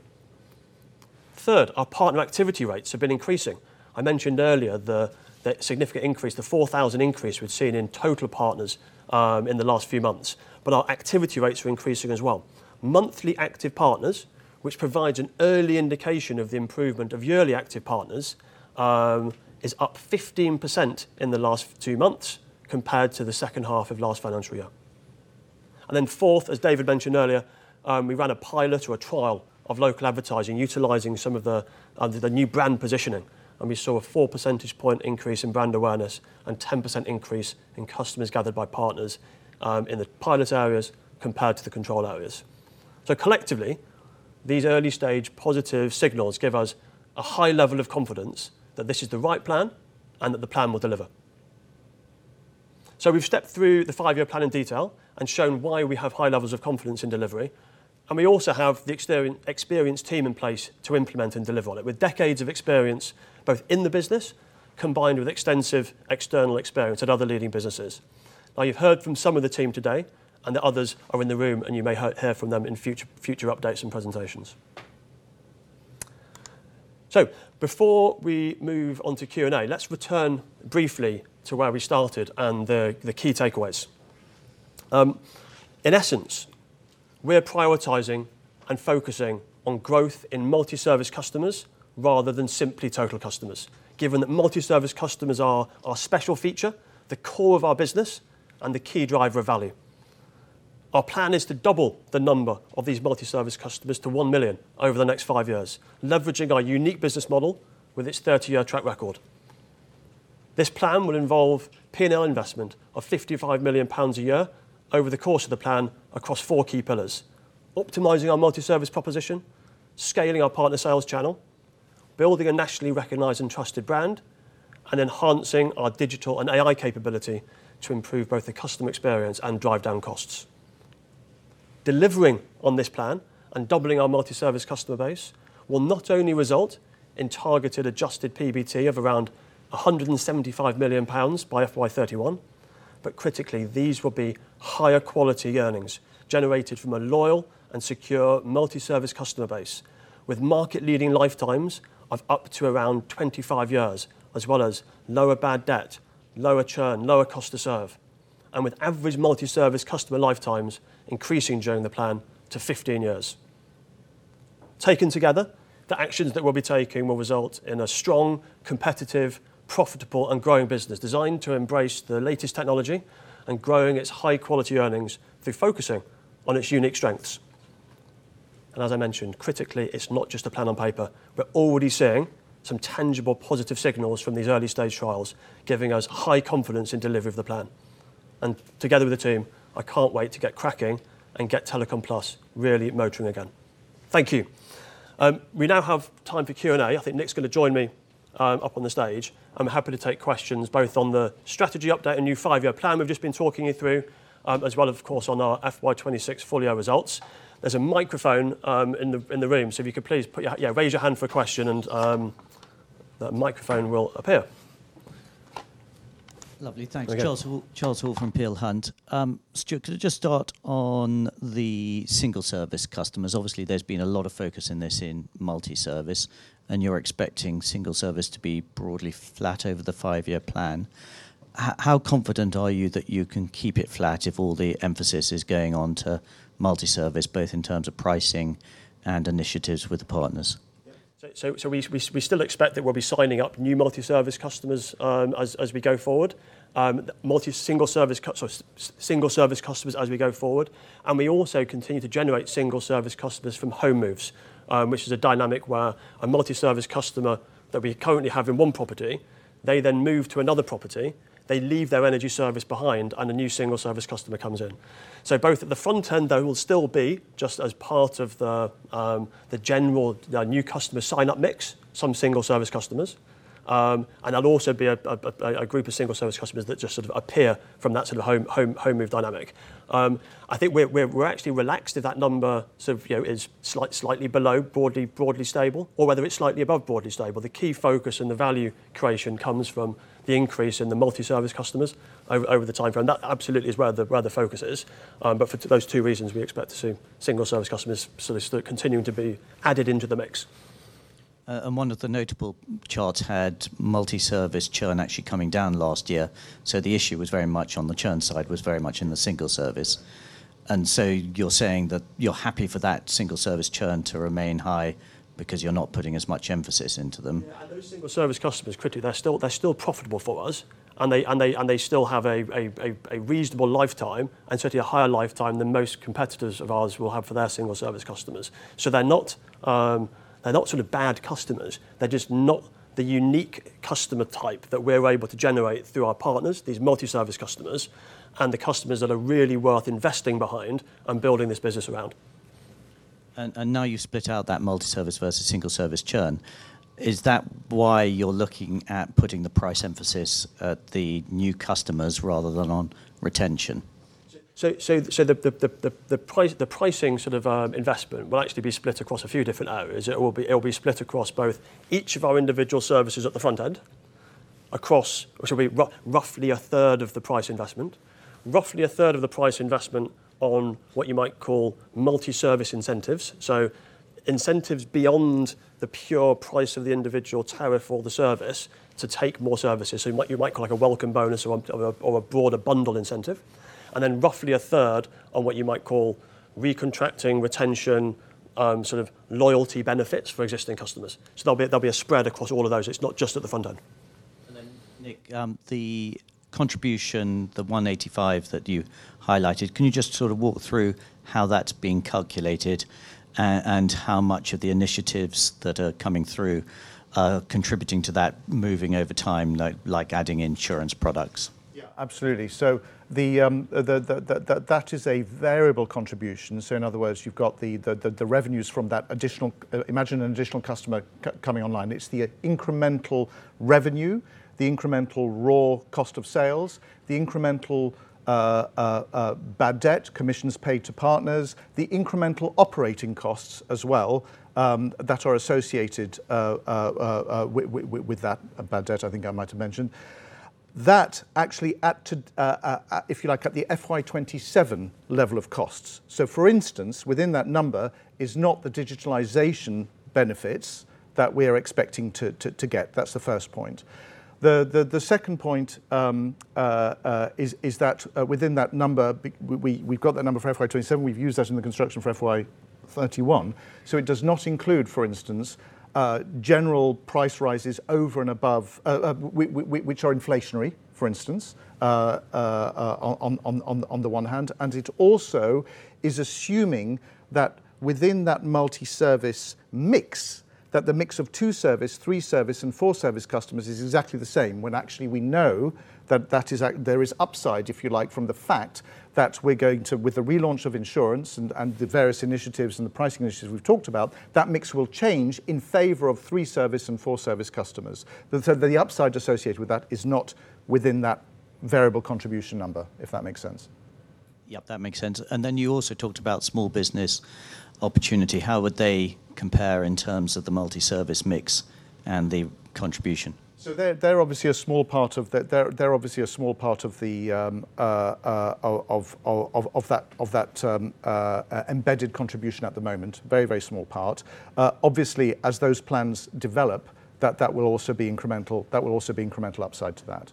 Third, our partner activity rates have been increasing. I mentioned earlier the significant increase, the 4,000 increase we've seen in total partners in the last few months, but our activity rates are increasing as well. Monthly active partners, which provides an early indication of the improvement of yearly active partners, is up 15% in the last two months compared to the second half of last financial year. Fourth, as David mentioned earlier, we ran a pilot or a trial of local advertising utilizing some of the new brand positioning, and we saw a four percentage point increase in brand awareness and 10% increase in customers gathered by partners in the pilot areas compared to the control areas. Collectively, these early-stage positive signals give us a high level of confidence that this is the right plan and that the plan will deliver. We've stepped through the five-year plan in detail and shown why we have high levels of confidence in delivery, and we also have the experienced team in place to implement and deliver on it, with decades of experience both in the business, combined with extensive external experience at other leading businesses. Now, you've heard from some of the team today, and the others are in the room, and you may hear from them in future updates and presentations. Before we move on to Q&A, let's return briefly to where we started and the key takeaways. In essence, we're prioritizing and focusing on growth in multi-service customers rather than simply total customers, given that multi-service customers are our special feature, the core of our business, and the key driver of value. Our plan is to double the number of these multi-service customers to 1 million over the next five years, leveraging our unique business model with its 30-year track record. This plan will involve P&L investment of 55 million pounds a year over thecourse of the plan across four key pillars: optimizing our multi-service proposition, scaling our partner sales channel, building a nationally recognized and trusted brand, and enhancing our digital and AI capability to improve both the customer experience and drive down costs. Delivering on this plan and doubling our multi-service customer base will not only result in targeted adjusted PBT of around 175 million pounds by FY 2031, but critically, these will be higher quality earnings generated from a loyal and secure multi-service customer base, with market leading lifetimes of up to around 25 years, as well as lower bad debt, lower churn, lower cost to serve, and with average multi-service customer lifetimes increasing during the plan to 15 years. Taken together, the actions that we'll be taking will result in a strong, competitive, profitable, and growing business designed to embrace the latest technology and growing its high-quality earnings through focusing on its unique strengths. As I mentioned, critically, it's not just a plan on paper. We're already seeing some tangible positive signals from these early-stage trials giving us high confidence in delivery of the plan. Together with the team, I can't wait to get cracking and get Telecom Plus really motoring again. Thank you. We now have time for Q&A. I think Nick's going to join me Up on the stage. I'm happy to take questions both on the strategy update and new five-year plan we've just been talking you through, as well as, of course, on our FY 2026 full-year results. There's a microphone in the room, so if you could please raise your hand for a question, and the microphone will appear. Lovely. Thanks. There we go. Charles Hall from Peel Hunt. Stuart, could I just start on the single-service customers? Obviously, there's been a lot of focus in this in multi-service, and you're expecting single service to be broadly flat over the five-year plan. How confident are you that you can keep it flat if all the emphasis is going on to multi-service, both in terms of pricing and initiatives with the partners? Yeah. We still expect that we'll be signing up new multi-service customers as we go forward. Single-service customers as we go forward. We also continue to generate single-service customers from home moves, which is a dynamic where a multi-service customer that we currently have in one property, they then move to another property, they leave their energy service behind, and a new single-service customer comes in. Both at the front end, though, will still be just as part of the general new customer sign-up mix, some single-service customers, and there'll also be a group of single-service customers that just appear from that home move dynamic. I think we're actually relaxed if that number is slightly below broadly stable, or whether it's slightly above broadly stable. The key focus and the value creation comes from the increase in the multi-service customers over the timeframe. That absolutely is where the focus is. For those two reasons, we expect to see single-service customers continuing to be added into the mix. One of the notable charts had multi-service churn actually coming down last year. The issue was very much on the churn side, was very much in the single-service. You're saying that you're happy for that single-service churn to remain high because you're not putting as much emphasis into them. Yeah, those single-service customers, critically, they're still profitable for us, and they still have a reasonable lifetime, and certainly a higher lifetime than most competitors of ours will have for their single-service customers. They're not bad customers. They're just not the unique customer type that we're able to generate through our partners, these multi-service customers and the customers that are really worth investing behind and building this business around. Now you've split out that multi-service versus single-service churn. Is that why you're looking at putting the price emphasis at the new customers rather than on retention? The pricing investment will actually be split across a few different areas. It will be split across both each of our individual services at the front end, across roughly a third of the price investment. Roughly a third of the price investment on what you might call multi-service incentives. Incentives beyond the pure price of the individual tariff or the service to take more services. What you might call a welcome bonus or a broader bundle incentive. Roughly a third on what you might call recontracting, retention, loyalty benefits for existing customers. There'll be a spread across all of those. It's not just at the front end. Nick, the contribution, the 185 that you highlighted, can you just walk through how that's being calculated and how much of the initiatives that are coming through are contributing to that moving over time, like adding insurance products? Absolutely. That is a variable contribution. In other words, you've got the revenues from that. Imagine an additional customer coming online. It's the incremental revenue, the incremental raw cost of sales, the incremental bad debt, commissions paid to partners, the incremental operating costs as well that are associated with that bad debt, I think I might have mentioned. That actually at the, if you like, at the FY 2027 level of costs. For instance, within that number is not the digitalization benefits that we are expecting to get. That's the first point. The second point is that within that number, we've got that number for FY 2027. We've used that in the construction for FY 2031. It does not include, for instance, general price rises over and above, which are inflationary, for instance, on the one hand. It also is assuming that within that multi-service mix, that the mix of two service, three service, and four service customers is exactly the same, when actually we know that there is upside, if you like, from the fact that we're going to, with the relaunch of insurance and the various initiatives and the pricing initiatives we've talked about, that mix will change in favor of three service and four service customers. The upside associated with that is not within that variable contribution number, if that makes sense. Yep, that makes sense. Then you also talked about small business opportunity. How would they compare in terms of the multi-service mix and the contribution? They're obviously a small part of that embedded contribution at the moment. Very, very small part. Obviously, as those plans develop, that will also be incremental upside to that.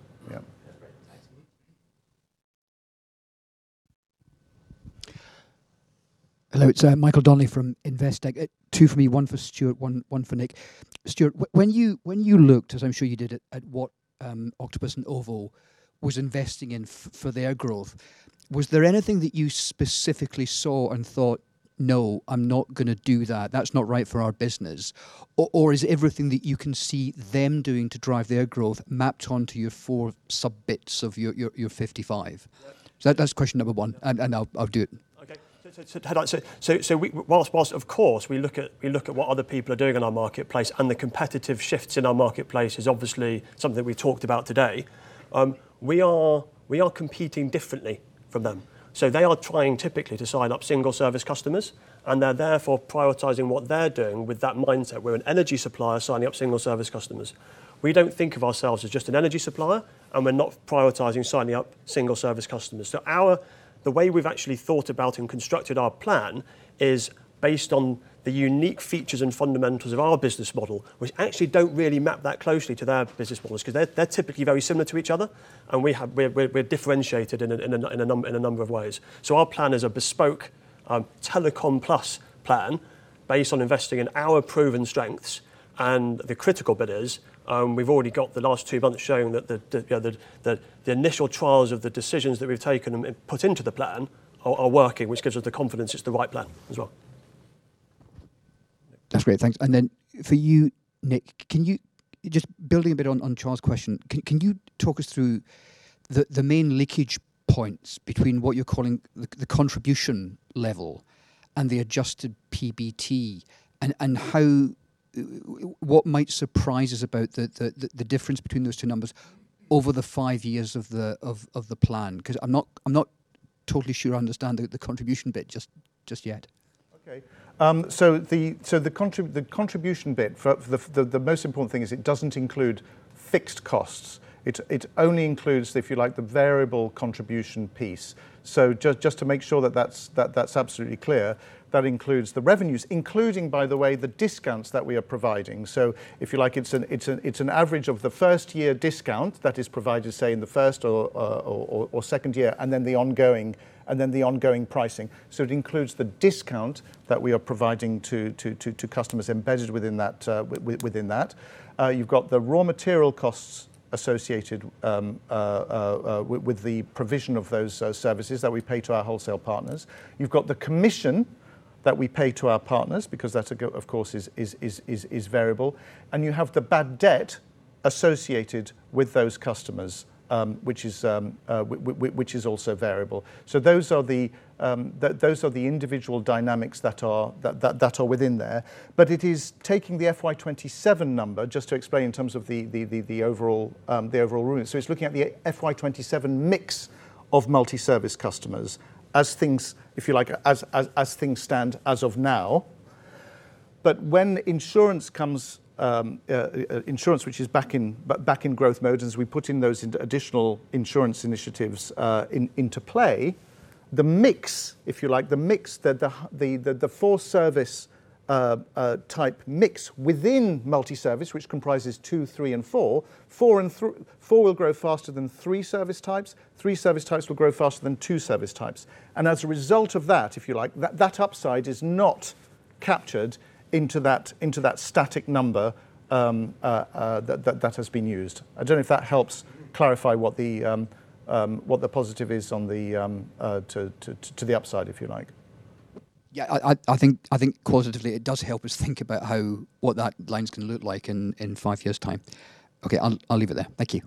Yeah. That's great. Thanks. Nick? Hello, it's Michael Donnelly from Investec. Two for me. One for Stuart, one for Nick. Stuart, when you looked, as I'm sure you did, at what Octopus and OVO was investing in for their growth, was there anything that you specifically saw and thought, "No, I'm not going to do that. That's not right for our business," or is everything that you can see them doing to drive their growth mapped onto your four sub-bits of your 55? Yeah. that's question number one, and I'll do it. Okay. Whilst of course we look at what other people are doing in our marketplace, and the competitive shifts in our marketplace is obviously something we've talked about today. We are competing differently from them. They are trying typically to sign up single-service customers, and they're therefore prioritizing what they're doing with that mindset. We're an energy supplier signing up single-service customers. We don't think of ourselves as just an energy supplier, and we're not prioritizing signing up single-service customers. The way we've actually thought about and constructed our plan is based on the unique features and fundamentals of our business model, which actually don't really map that closely to their business models because they're typically very similar to each other, and we're differentiated in a number of ways. Our plan is a bespoke Telecom Plus plan based on investing in our proven strengths, and the critical bit is, we've already got the last two months showing that the initial trials of the decisions that we've taken and put into the plan are working, which gives us the confidence it's the right plan as well. That's great. Thanks. Then for you, Nick, just building a bit on Charles' question, can you talk us through the main leakage points between what you're calling the contribution level and the adjusted PBT, and what might surprise us about the difference between those two numbers over the five years of the plan? Because I'm not totally sure I understand the contribution bit just yet. The contribution bit, the most important thing is it does not include fixed costs. It only includes, if you like, the variable contribution piece. Just to make sure that is absolutely clear, that includes the revenues, including, by the way, the discounts that we are providing. If you like, it is an average of the first-year discount that is provided, say, in the first or second year, and then the ongoing pricing. It includes the discount that we are providing to customers embedded within that. You have got the raw material costs associated with the provision of those services that we pay to our wholesale partners. You have got the commission that we pay to our partners because that, of course, is variable. You have the bad debt associated with those customers, which is also variable. Those are the individual dynamics that are within there. It is taking the FY 2027 number, just to explain in terms of the overall ruling. It is looking at the FY 2027 mix of multi-service customers, if you like, as things stand as of now. When insurance, which is back in growth mode as we put in those additional insurance initiatives into play, the mix, if you like, the four service type mix within multi-service, which comprises two, three, and four will grow faster than three service types, three service types will grow faster than two service types. As a result of that, if you like, that upside is not captured into that static number that has been used. I do not know if that helps clarify what the positive is to the upside, if you like. I think qualitatively it does help us think about what that line is going to look like in five years' time. Okay, I will leave it there. Thank you.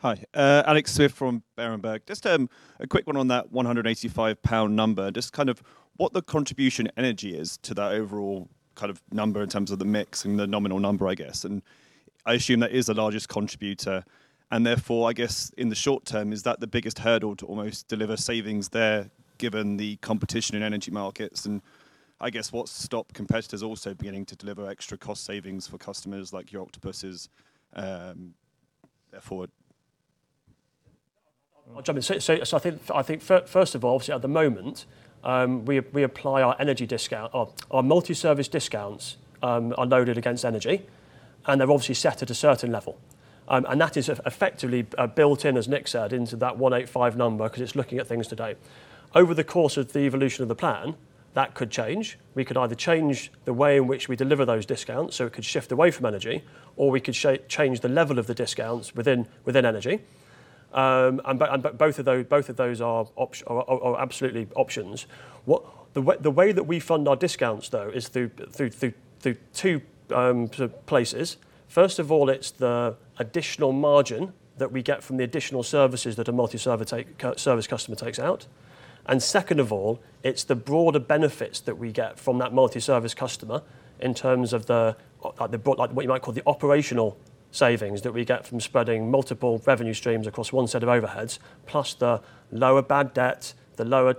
Hi, Alex Smith from Berenberg. Just a quick one on that 185 pound number, just what the contribution energy is to that overall number in terms of the mix and the nominal number, I guess. I assume that is the largest contributor, and therefore, I guess in the short-term, is that the biggest hurdle to almost deliver savings there, given the competition in energy markets, and I guess what has stopped competitors also beginning to deliver extra cost savings for customers like your Octopus's effort? I'll jump in. I think first of all, obviously at the moment, we apply our energy discount. Our multi-service discounts are loaded against energy, and they're obviously set at a certain level. That is effectively built in, as Nick said, into that 185 number because it's looking at things today. Over the course of the evolution of the plan, that could change. We could either change the way in whichwe deliver those discounts, so we could shift away from energy, or we could change the level of the discounts within energy. Both of those are absolutely options. The way that we fund our discounts, though, is through two places. First of all, it's the additional margin that we get from the additional services that a multi-service customer takes out. Second of all, it's the broader benefits that we get from that multi-service customer in terms of what you might call the operational savings that we get from spreading multiple revenue streams across one set of overheads, plus the lower bad debt, the lower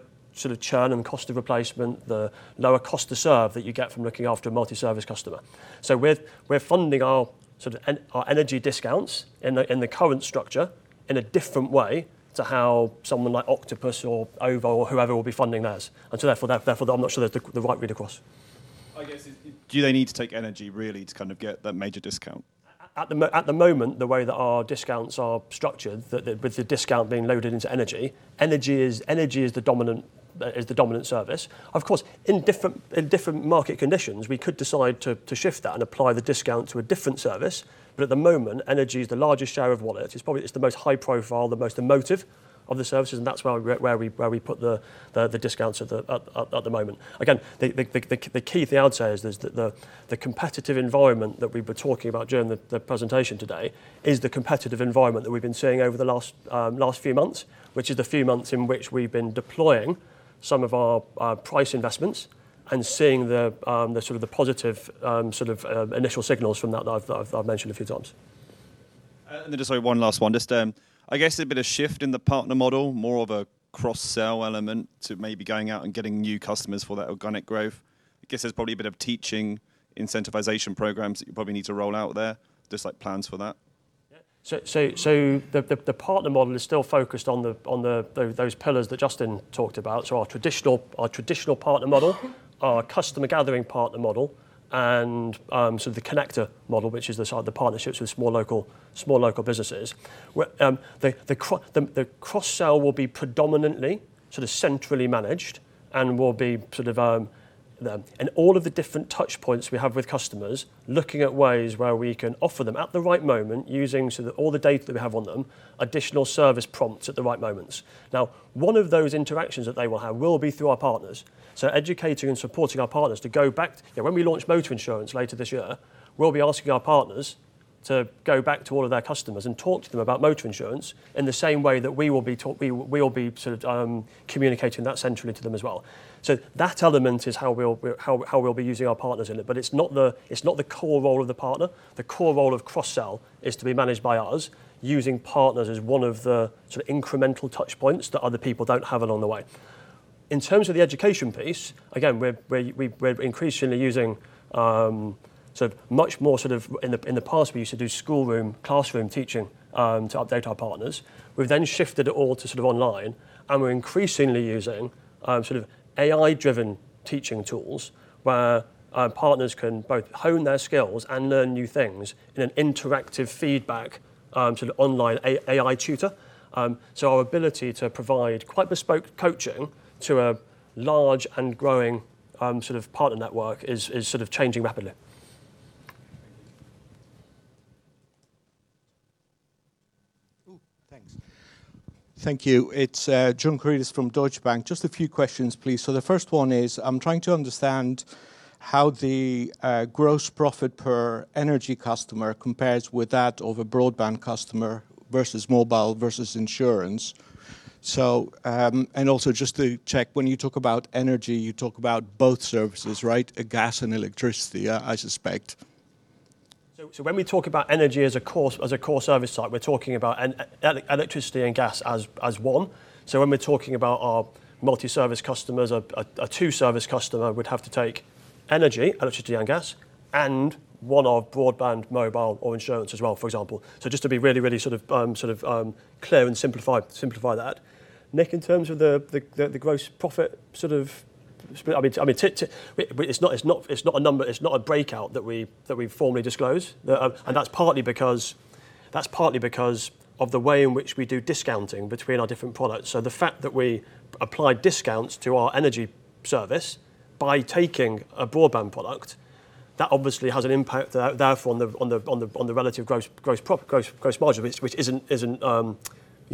churn and cost of replacement, the lower cost to serve that you get from looking after a multi-service customer. We're funding our energy discounts in the current structure in a different way to how someone like Octopus or OVO or whoever will be funding theirs. Therefore, I'm not sure they're the right read-across. I guess, do they need to take energy really to get that major discount? At the moment, the way that our discounts are structured, with the discount being loaded into energy is the dominant service. Of course, in different market conditions, we could decide to shift that and apply the discount to a different service. At the moment, energy is the largest share of wallet. It's the most high profile, the most emotive of the services, that's where we put the discounts at the moment. Again, the key thing I would say is the competitive environment that we've been talking about during the presentation today is the competitive environment that we've been seeing over the last few months, which is the few months in which we've been deploying some of our price investments and seeing the positive initial signals from that that I've mentioned a few times. Sorry, one last one. I guess a bit of shift in the partner model, more of a cross-sell element to maybe going out and getting new customers for that organic growth. I guess there's probably a bit of teaching incentivization programs that you probably need to roll out there. Plans for that. The partner model is still focused on those pillars that Justin talked about. Our traditional partner model, our customer gathering partner model, and the connector model, which is the side of the partnerships with small local businesses. The cross-sell will be predominantly centrally managed and all of the different touch points we have with customers, looking at ways where we can offer them at the right moment, using all the data that we have on them, additional service prompts at the right moments. One of those interactions that they will have will be through our partners. Educating and supporting our partners. When we launch motor insurance later this year, we'll be asking our partners to go back to all of their customers and talk to them about motor insurance in the same way that we will be communicating that centrally to them as well. That element is how we'll be using our partners in it, but it's not the core role of the partner. The core role of cross-sell is to be managed by us using partners as one of the incremental touch points that other people don't have along the way. In terms of the education piece, again, we're increasingly using. In the past, we used to do schoolroom, classroom teaching, to update our partners. We've shifted it all to online, and we're increasingly using AI-driven teaching tools where our partners can both hone their skills and learn new things in an interactive feedback online AI tutor. Our ability to provide quite bespoke coaching to a large and growing partner network is changing rapidly. Thank you. Oh, thanks. Thank you. It's John Karidis from Deutsche Bank. Just a few questions, please. The first one is, I'm trying to understand how the gross profit per energy customer compares with that of a broadband customer versus mobile versus insurance. Also just to check, when you talk about energy, you talk about both services, right? Gas and electricity, I suspect. When we talk about energy as a core service type, we're talking about electricity and gas as one. When we're talking about our multi-service customers, a two service customer would have to take energy, electricity, and gas, and one of broadband, mobile, or insurance as well, for example. Just to be really clear and simplify that. Nick, in terms of the gross profit, it's not a number, it's not a breakout that we formally disclose. That's partly because of the way in which we do discounting between our different products. The fact that we apply discounts to our energy service by taking a broadband product, that obviously has an impact, therefore, on the relative gross margin.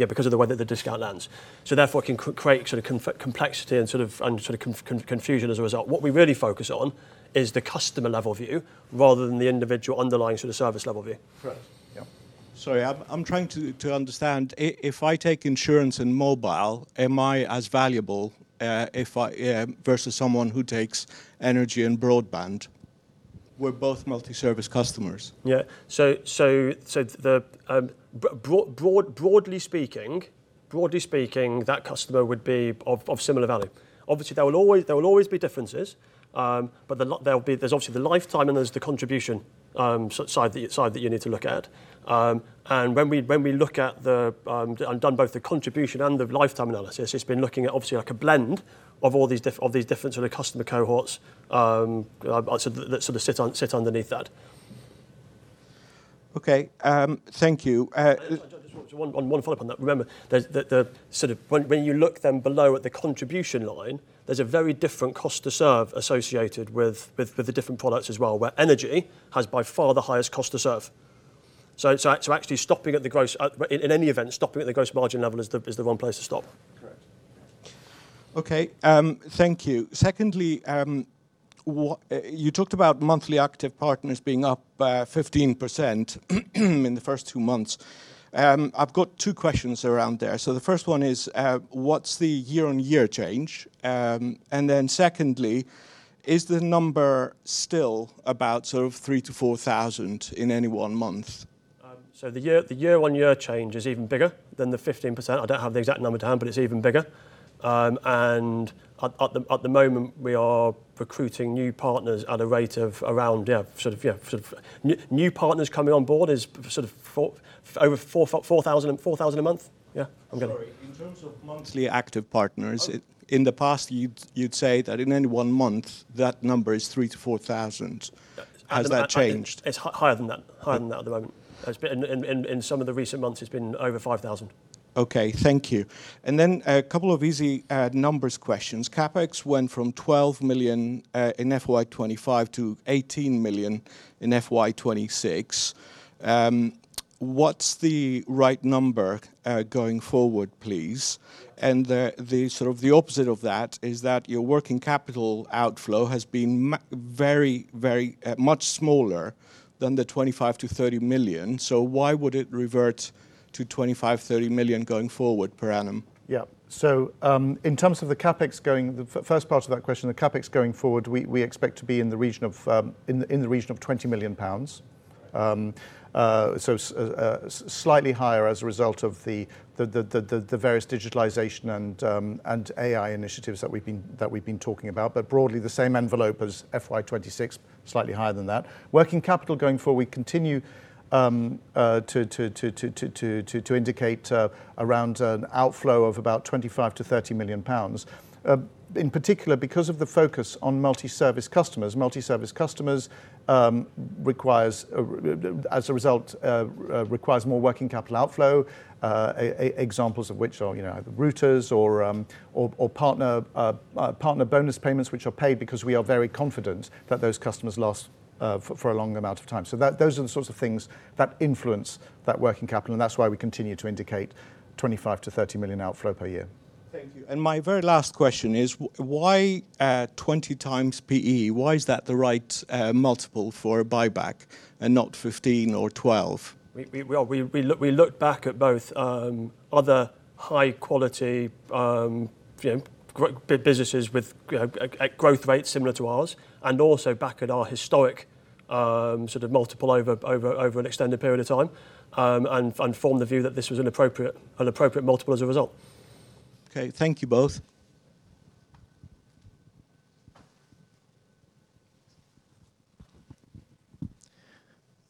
Because of the way that the discount lands. Therefore, it can create complexity and confusion as a result. What we really focus on is the customer level view rather than the individual underlying service level view. Correct. Yeah. Sorry, I'm trying to understand. If I take insurance and mobile, am I as valuable versus someone who takes energy and broadband? We're both multi-service customers. Broadly speaking, that customer would be of similar value. Obviously, there will always be differences, but there's obviously the lifetime, and there's the contribution side that you need to look at. When we look at and done both the contribution and the lifetime analysis, it's been looking at obviously like a blend of all these different customer cohorts that sit underneath that. Okay. Thank you. John, just one follow-up on that. Remember, when you look then below at the contribution line, there's a very different cost to serve associated with the different products as well, where energy has by far the highest cost to serve. Actually, in any event, stopping at the gross margin level is the one place to stop. Correct. Okay. Thank you. Secondly, you talked about monthly active partners being up 15% in the first two months. I've got two questions around there. The first one is, what's the year-on-year change? Secondly, is the number still about 3 - 4,000 in any one month? The year-on-year change is even bigger than the 15%. I don't have the exact number to hand, but it's even bigger. New partners coming on board is over 4,000 a month. Yeah. Sorry, in terms of monthly active partners, in the past, you'd say that in any one month, that number is 3 - 4,000. Has that changed? It's higher than that. Higher than that at the moment. In some of the recent months, it's been over 5,000. Okay, thank you. Then a couple of easy numbers questions. CapEx went from 12 million in FY 2025 to 18 million in FY 2026. What's the right number going forward, please? The opposite of that is that your working capital outflow has been much smaller than the 25 million-30 million. Why would it revert to 25 million-30 million going forward per annum? In terms of the CapEx, the first part of that question, the CapEx going forward, we expect to be in the region of 20 million pounds. Slightly higher as a result of the various digitalization and AI initiatives that we've been talking about, but broadly the same envelope as FY 2026, slightly higher than that. Working capital going forward, we continue to indicate around an outflow of about 25 million-30 million pounds. In particular, because of the focus on multi-service customers. Multi-service customers, as a result, requires more working capital outflow. Examples of which are either routers or partner bonus payments, which are paid because we are very confident that those customers last for a long amount of time. Those are the sorts of things that influence that working capital, and that's why we continue to indicate 25 million-30 million outflow per year. Thank you. My very last question is why 20x P/E? Why is that the right multiple for a buyback and not 15 or 12? We looked back at both other high-quality businesses with growth rates similar to ours, and also back at our historic multiple over an extended period of time, and formed the view that this was an appropriate multiple as a result. Okay. Thank you both.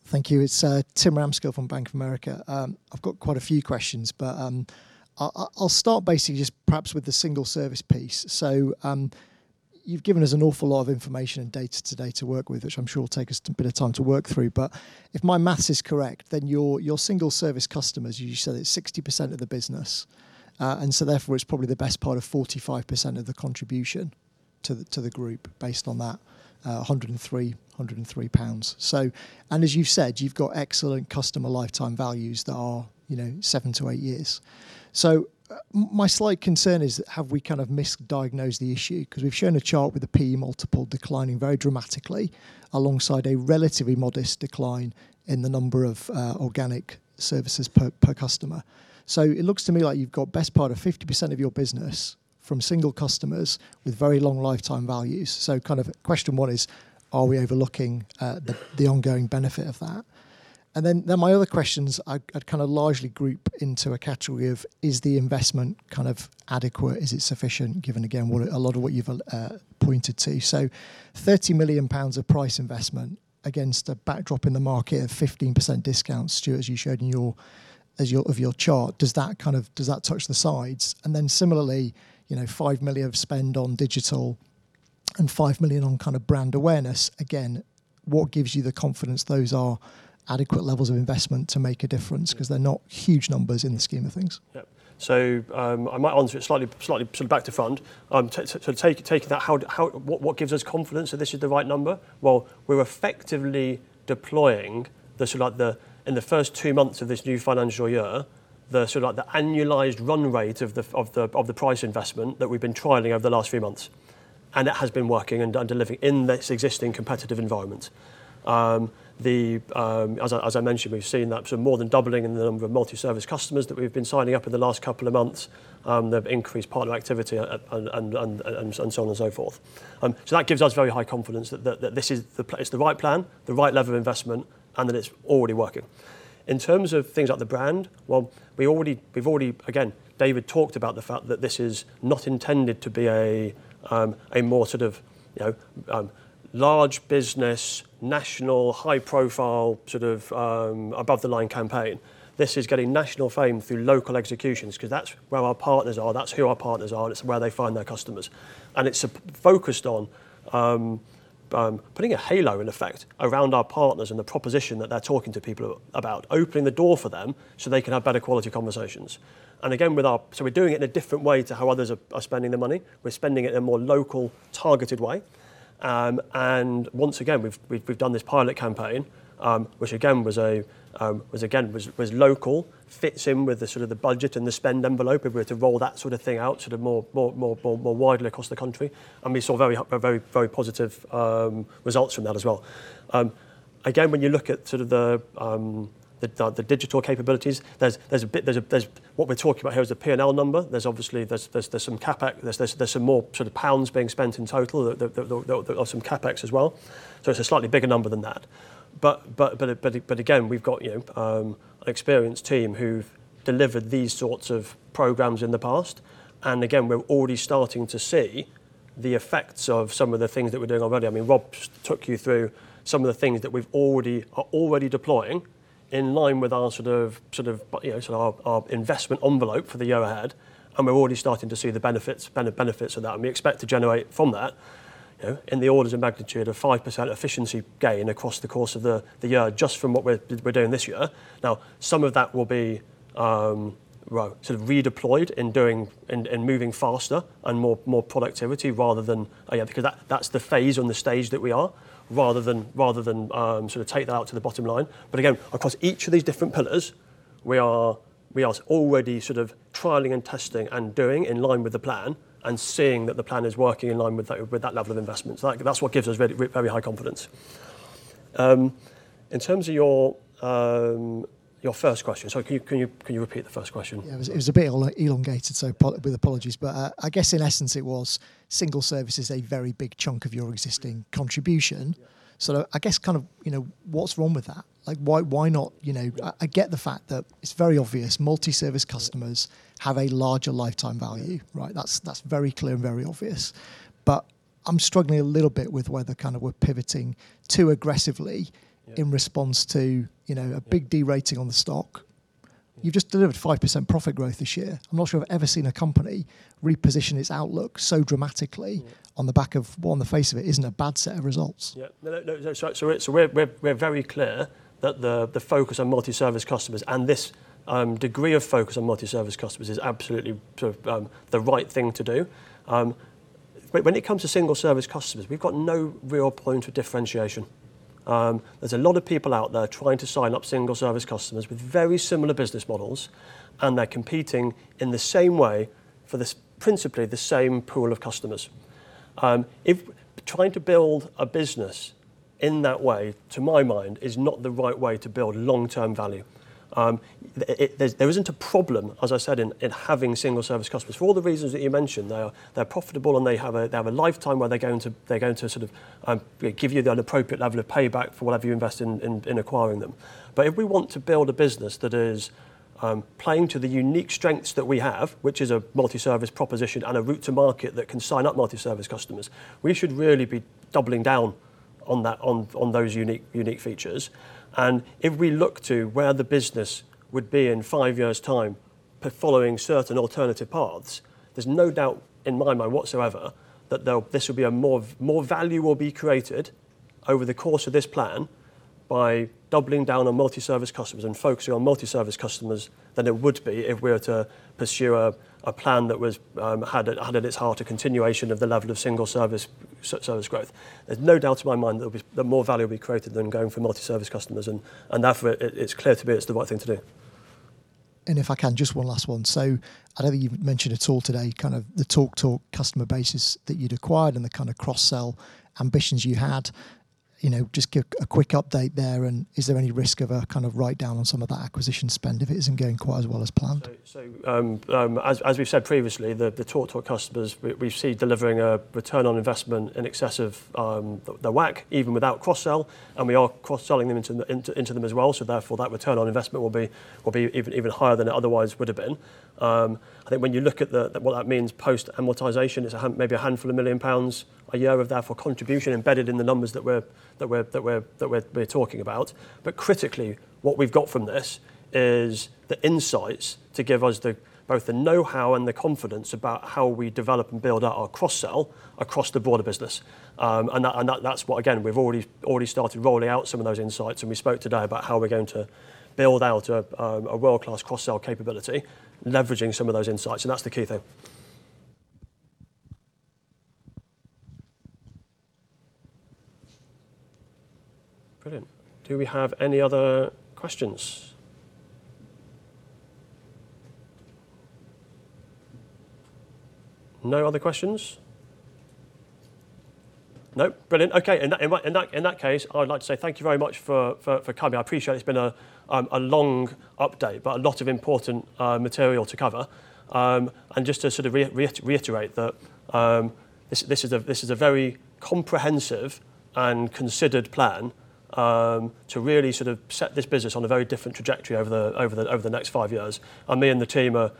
Thank you. It's Tim Ramskill from Bank of America. I've got quite a few questions, but I'll start basically just perhaps with the single service piece. You've given us an awful lot of information and data today to work with, which I'm sure will take us a bit of time to work through. If my maths is correct, then your single service customers, you said it's 60% of the business, and therefore it's probably the best part of 45% of the contribution to the group based on that 103. As you've said, you've got excellent customer lifetime values that are 7 - 8 years. My slight concern is have we misdiagnosed the issue? Because we've shown a chart with a P/E multiple declining very dramatically alongside a relatively modest decline in the number of organic services per customer. It looks to me like you've got best part of 50% of your business from single customers with very long lifetime values. Question one is, are we overlooking the ongoing benefit of that? And then my other questions I'd largely group into a category of is the investment adequate? Is it sufficient given, again, a lot of what you've pointed to. 30 million pounds of price investment against a backdrop in the market of 15% discounts, Stuart, as you showed of your chart. Does that touch the sides? Similarly, 5 million of spend on digital and 5 million on brand awareness. Again, what gives you the confidence those are adequate levels of investment to make a difference? Because they're not huge numbers in the scheme of things. Yeah. I might answer it slightly back to front. Taking that, what gives us confidence that this is the right number? Well, we are effectively deploying in the first two months of this new financial year, the annualized run rate of the price investment that we have been trialing over the last few months. It has been working and delivering in this existing competitive environment. As I mentioned, we have seen more than doubling in the number of multi-service customers that we have been signing up in the last couple of months. They have increased partner activity and so on and so forth. That gives us very high confidence that it is the right plan, the right level of investment, and that it is already working. In terms of things like the brand, well, we have already, again, David talked about the fact that this is not intended to be a more large business, national, high profile above the line campaign. This is getting national fame through local executions because that is where our partners are, that is who our partners are, that is where they find their customers. It is focused on putting a halo, in effect, around our partners and the proposition that they are talking to people about. Opening the door for them so they can have better quality conversations. Again, we are doing it in a different way to how others are spending their money. We are spending it in a more local targeted way. Once again, we have done this pilot campaign, which again was local, fits in with the budget and the spend envelope if we were to roll that thing out more widely across the country, and we saw very positive results from that as well. Again, when you look at the digital capabilities, what we are talking about here is a P&L number. There is some more pounds being spent in total. There are some CapEx as well. It is a slightly bigger number than that. Again, we have got an experienced team who have delivered these sorts of programs in the past. Again, we are already starting to see the effects of some of the things that we are doing already. Rob took you through some of the things that we are already deploying in line with our investment envelope for the year ahead, and we are already starting to see the benefits of that, and we expect to generate from that In the orders of magnitude of 5% efficiency gain across the course of the year, just from what we are doing this year. Now, some of that will be redeployed in moving faster and more productivity rather than. Because that is the phase on the stage that we are, rather than take that out to the bottom line. Again, across each of these different pillars, we are already trialing and testing and doing in line with the plan, and seeing that the plan is working in line with that level of investment. That is what gives us very high confidence. In terms of your first question. Sorry, can you repeat the first question? Yeah. It was a bit elongated, with apologies. I guess in essence it was single service is a very big chunk of your existing contribution. Yeah. I guess, what's wrong with that? I get the fact that it's very obvious multi-service customers have a larger lifetime value, right? That's very clear and very obvious. I'm struggling a little bit with whether we're pivoting too aggressively- Yeah in response to a big de-rating on the stock. You've just delivered 5% profit growth this year. I'm not sure I've ever seen a company reposition its outlook so dramatically- Yeah On the back of what, on the face of it, isn't a bad set of results. Yeah. No. We're very clear that the focus on multi-service customers, and this degree of focus on multi-service customers is absolutely the right thing to do. When it comes to single service customers, we've got no real point of differentiation. There's a lot of people out there trying to sign up single service customers with very similar business models, and they're competing in the same way for principally the same pool of customers. Trying to build a business in that way, to my mind, is not the right way to build long-term value. There isn't a problem, as I said, in having single service customers for all the reasons that you mentioned. They're profitable, and they have a lifetime where they're going to give you an appropriate level of payback for whatever you invest in acquiring them. If we want to build a business that is playing to the unique strengths that we have, which is a multi-service proposition and a route to market that can sign up multi-service customers, we should really be doubling down on those unique features. If we look to where the business would be in five years' time, following certain alternative paths, there's no doubt in my mind whatsoever, that more value will be created over thecourse of this plan by doubling down on multi-service customers and focusing on multi-service customers than it would be if we were to pursue a plan that had at its heart a continuation of the level of single service growth. There's no doubt in my mind there'll be more value created than going for multi-service customers, therefore it's clear to me it's the right thing to do. If I can, just one last one. I don't think you've mentioned at all today, the TalkTalk customer base that you'd acquired and the cross-sell ambitions you had. Just give a quick update there, and is there any risk of a write-down on some of that acquisition spend if it isn't going quite as well as planned? As we've said previously, the TalkTalk customers, we see delivering a return on investment in excess of the WACC even without cross-sell, and we are cross-selling them into them as well. Therefore that return on investment will be even higher than it otherwise would have been. I think when you look at what that means post-amortization, it's maybe a handful of million GBP a year of therefore contribution embedded in the numbers that we're talking about. Critically, what we've got from this is the insights to give us both the knowhow and the confidence about how we develop and build out our cross-sell across the broader business. That's what, again, we've already started rolling out some of those insights, and we spoke today about how we're going to build out a world-class cross-sell capability, leveraging some of those insights, and that's the key thing. Brilliant. Do we have any other questions? No other questions? Nope. Brilliant. Okay, in that case, I would like to say thank you very much for coming. I appreciate it's been a long update, but a lot of important material to cover. Just to reiterate that this is a very comprehensive and considered plan, to really set this business on a very different trajectory over the next five years. Me and the team are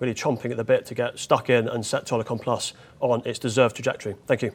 really chomping at the bit to get stuck in and set Telecom Plus on its deserved trajectory. Thank you.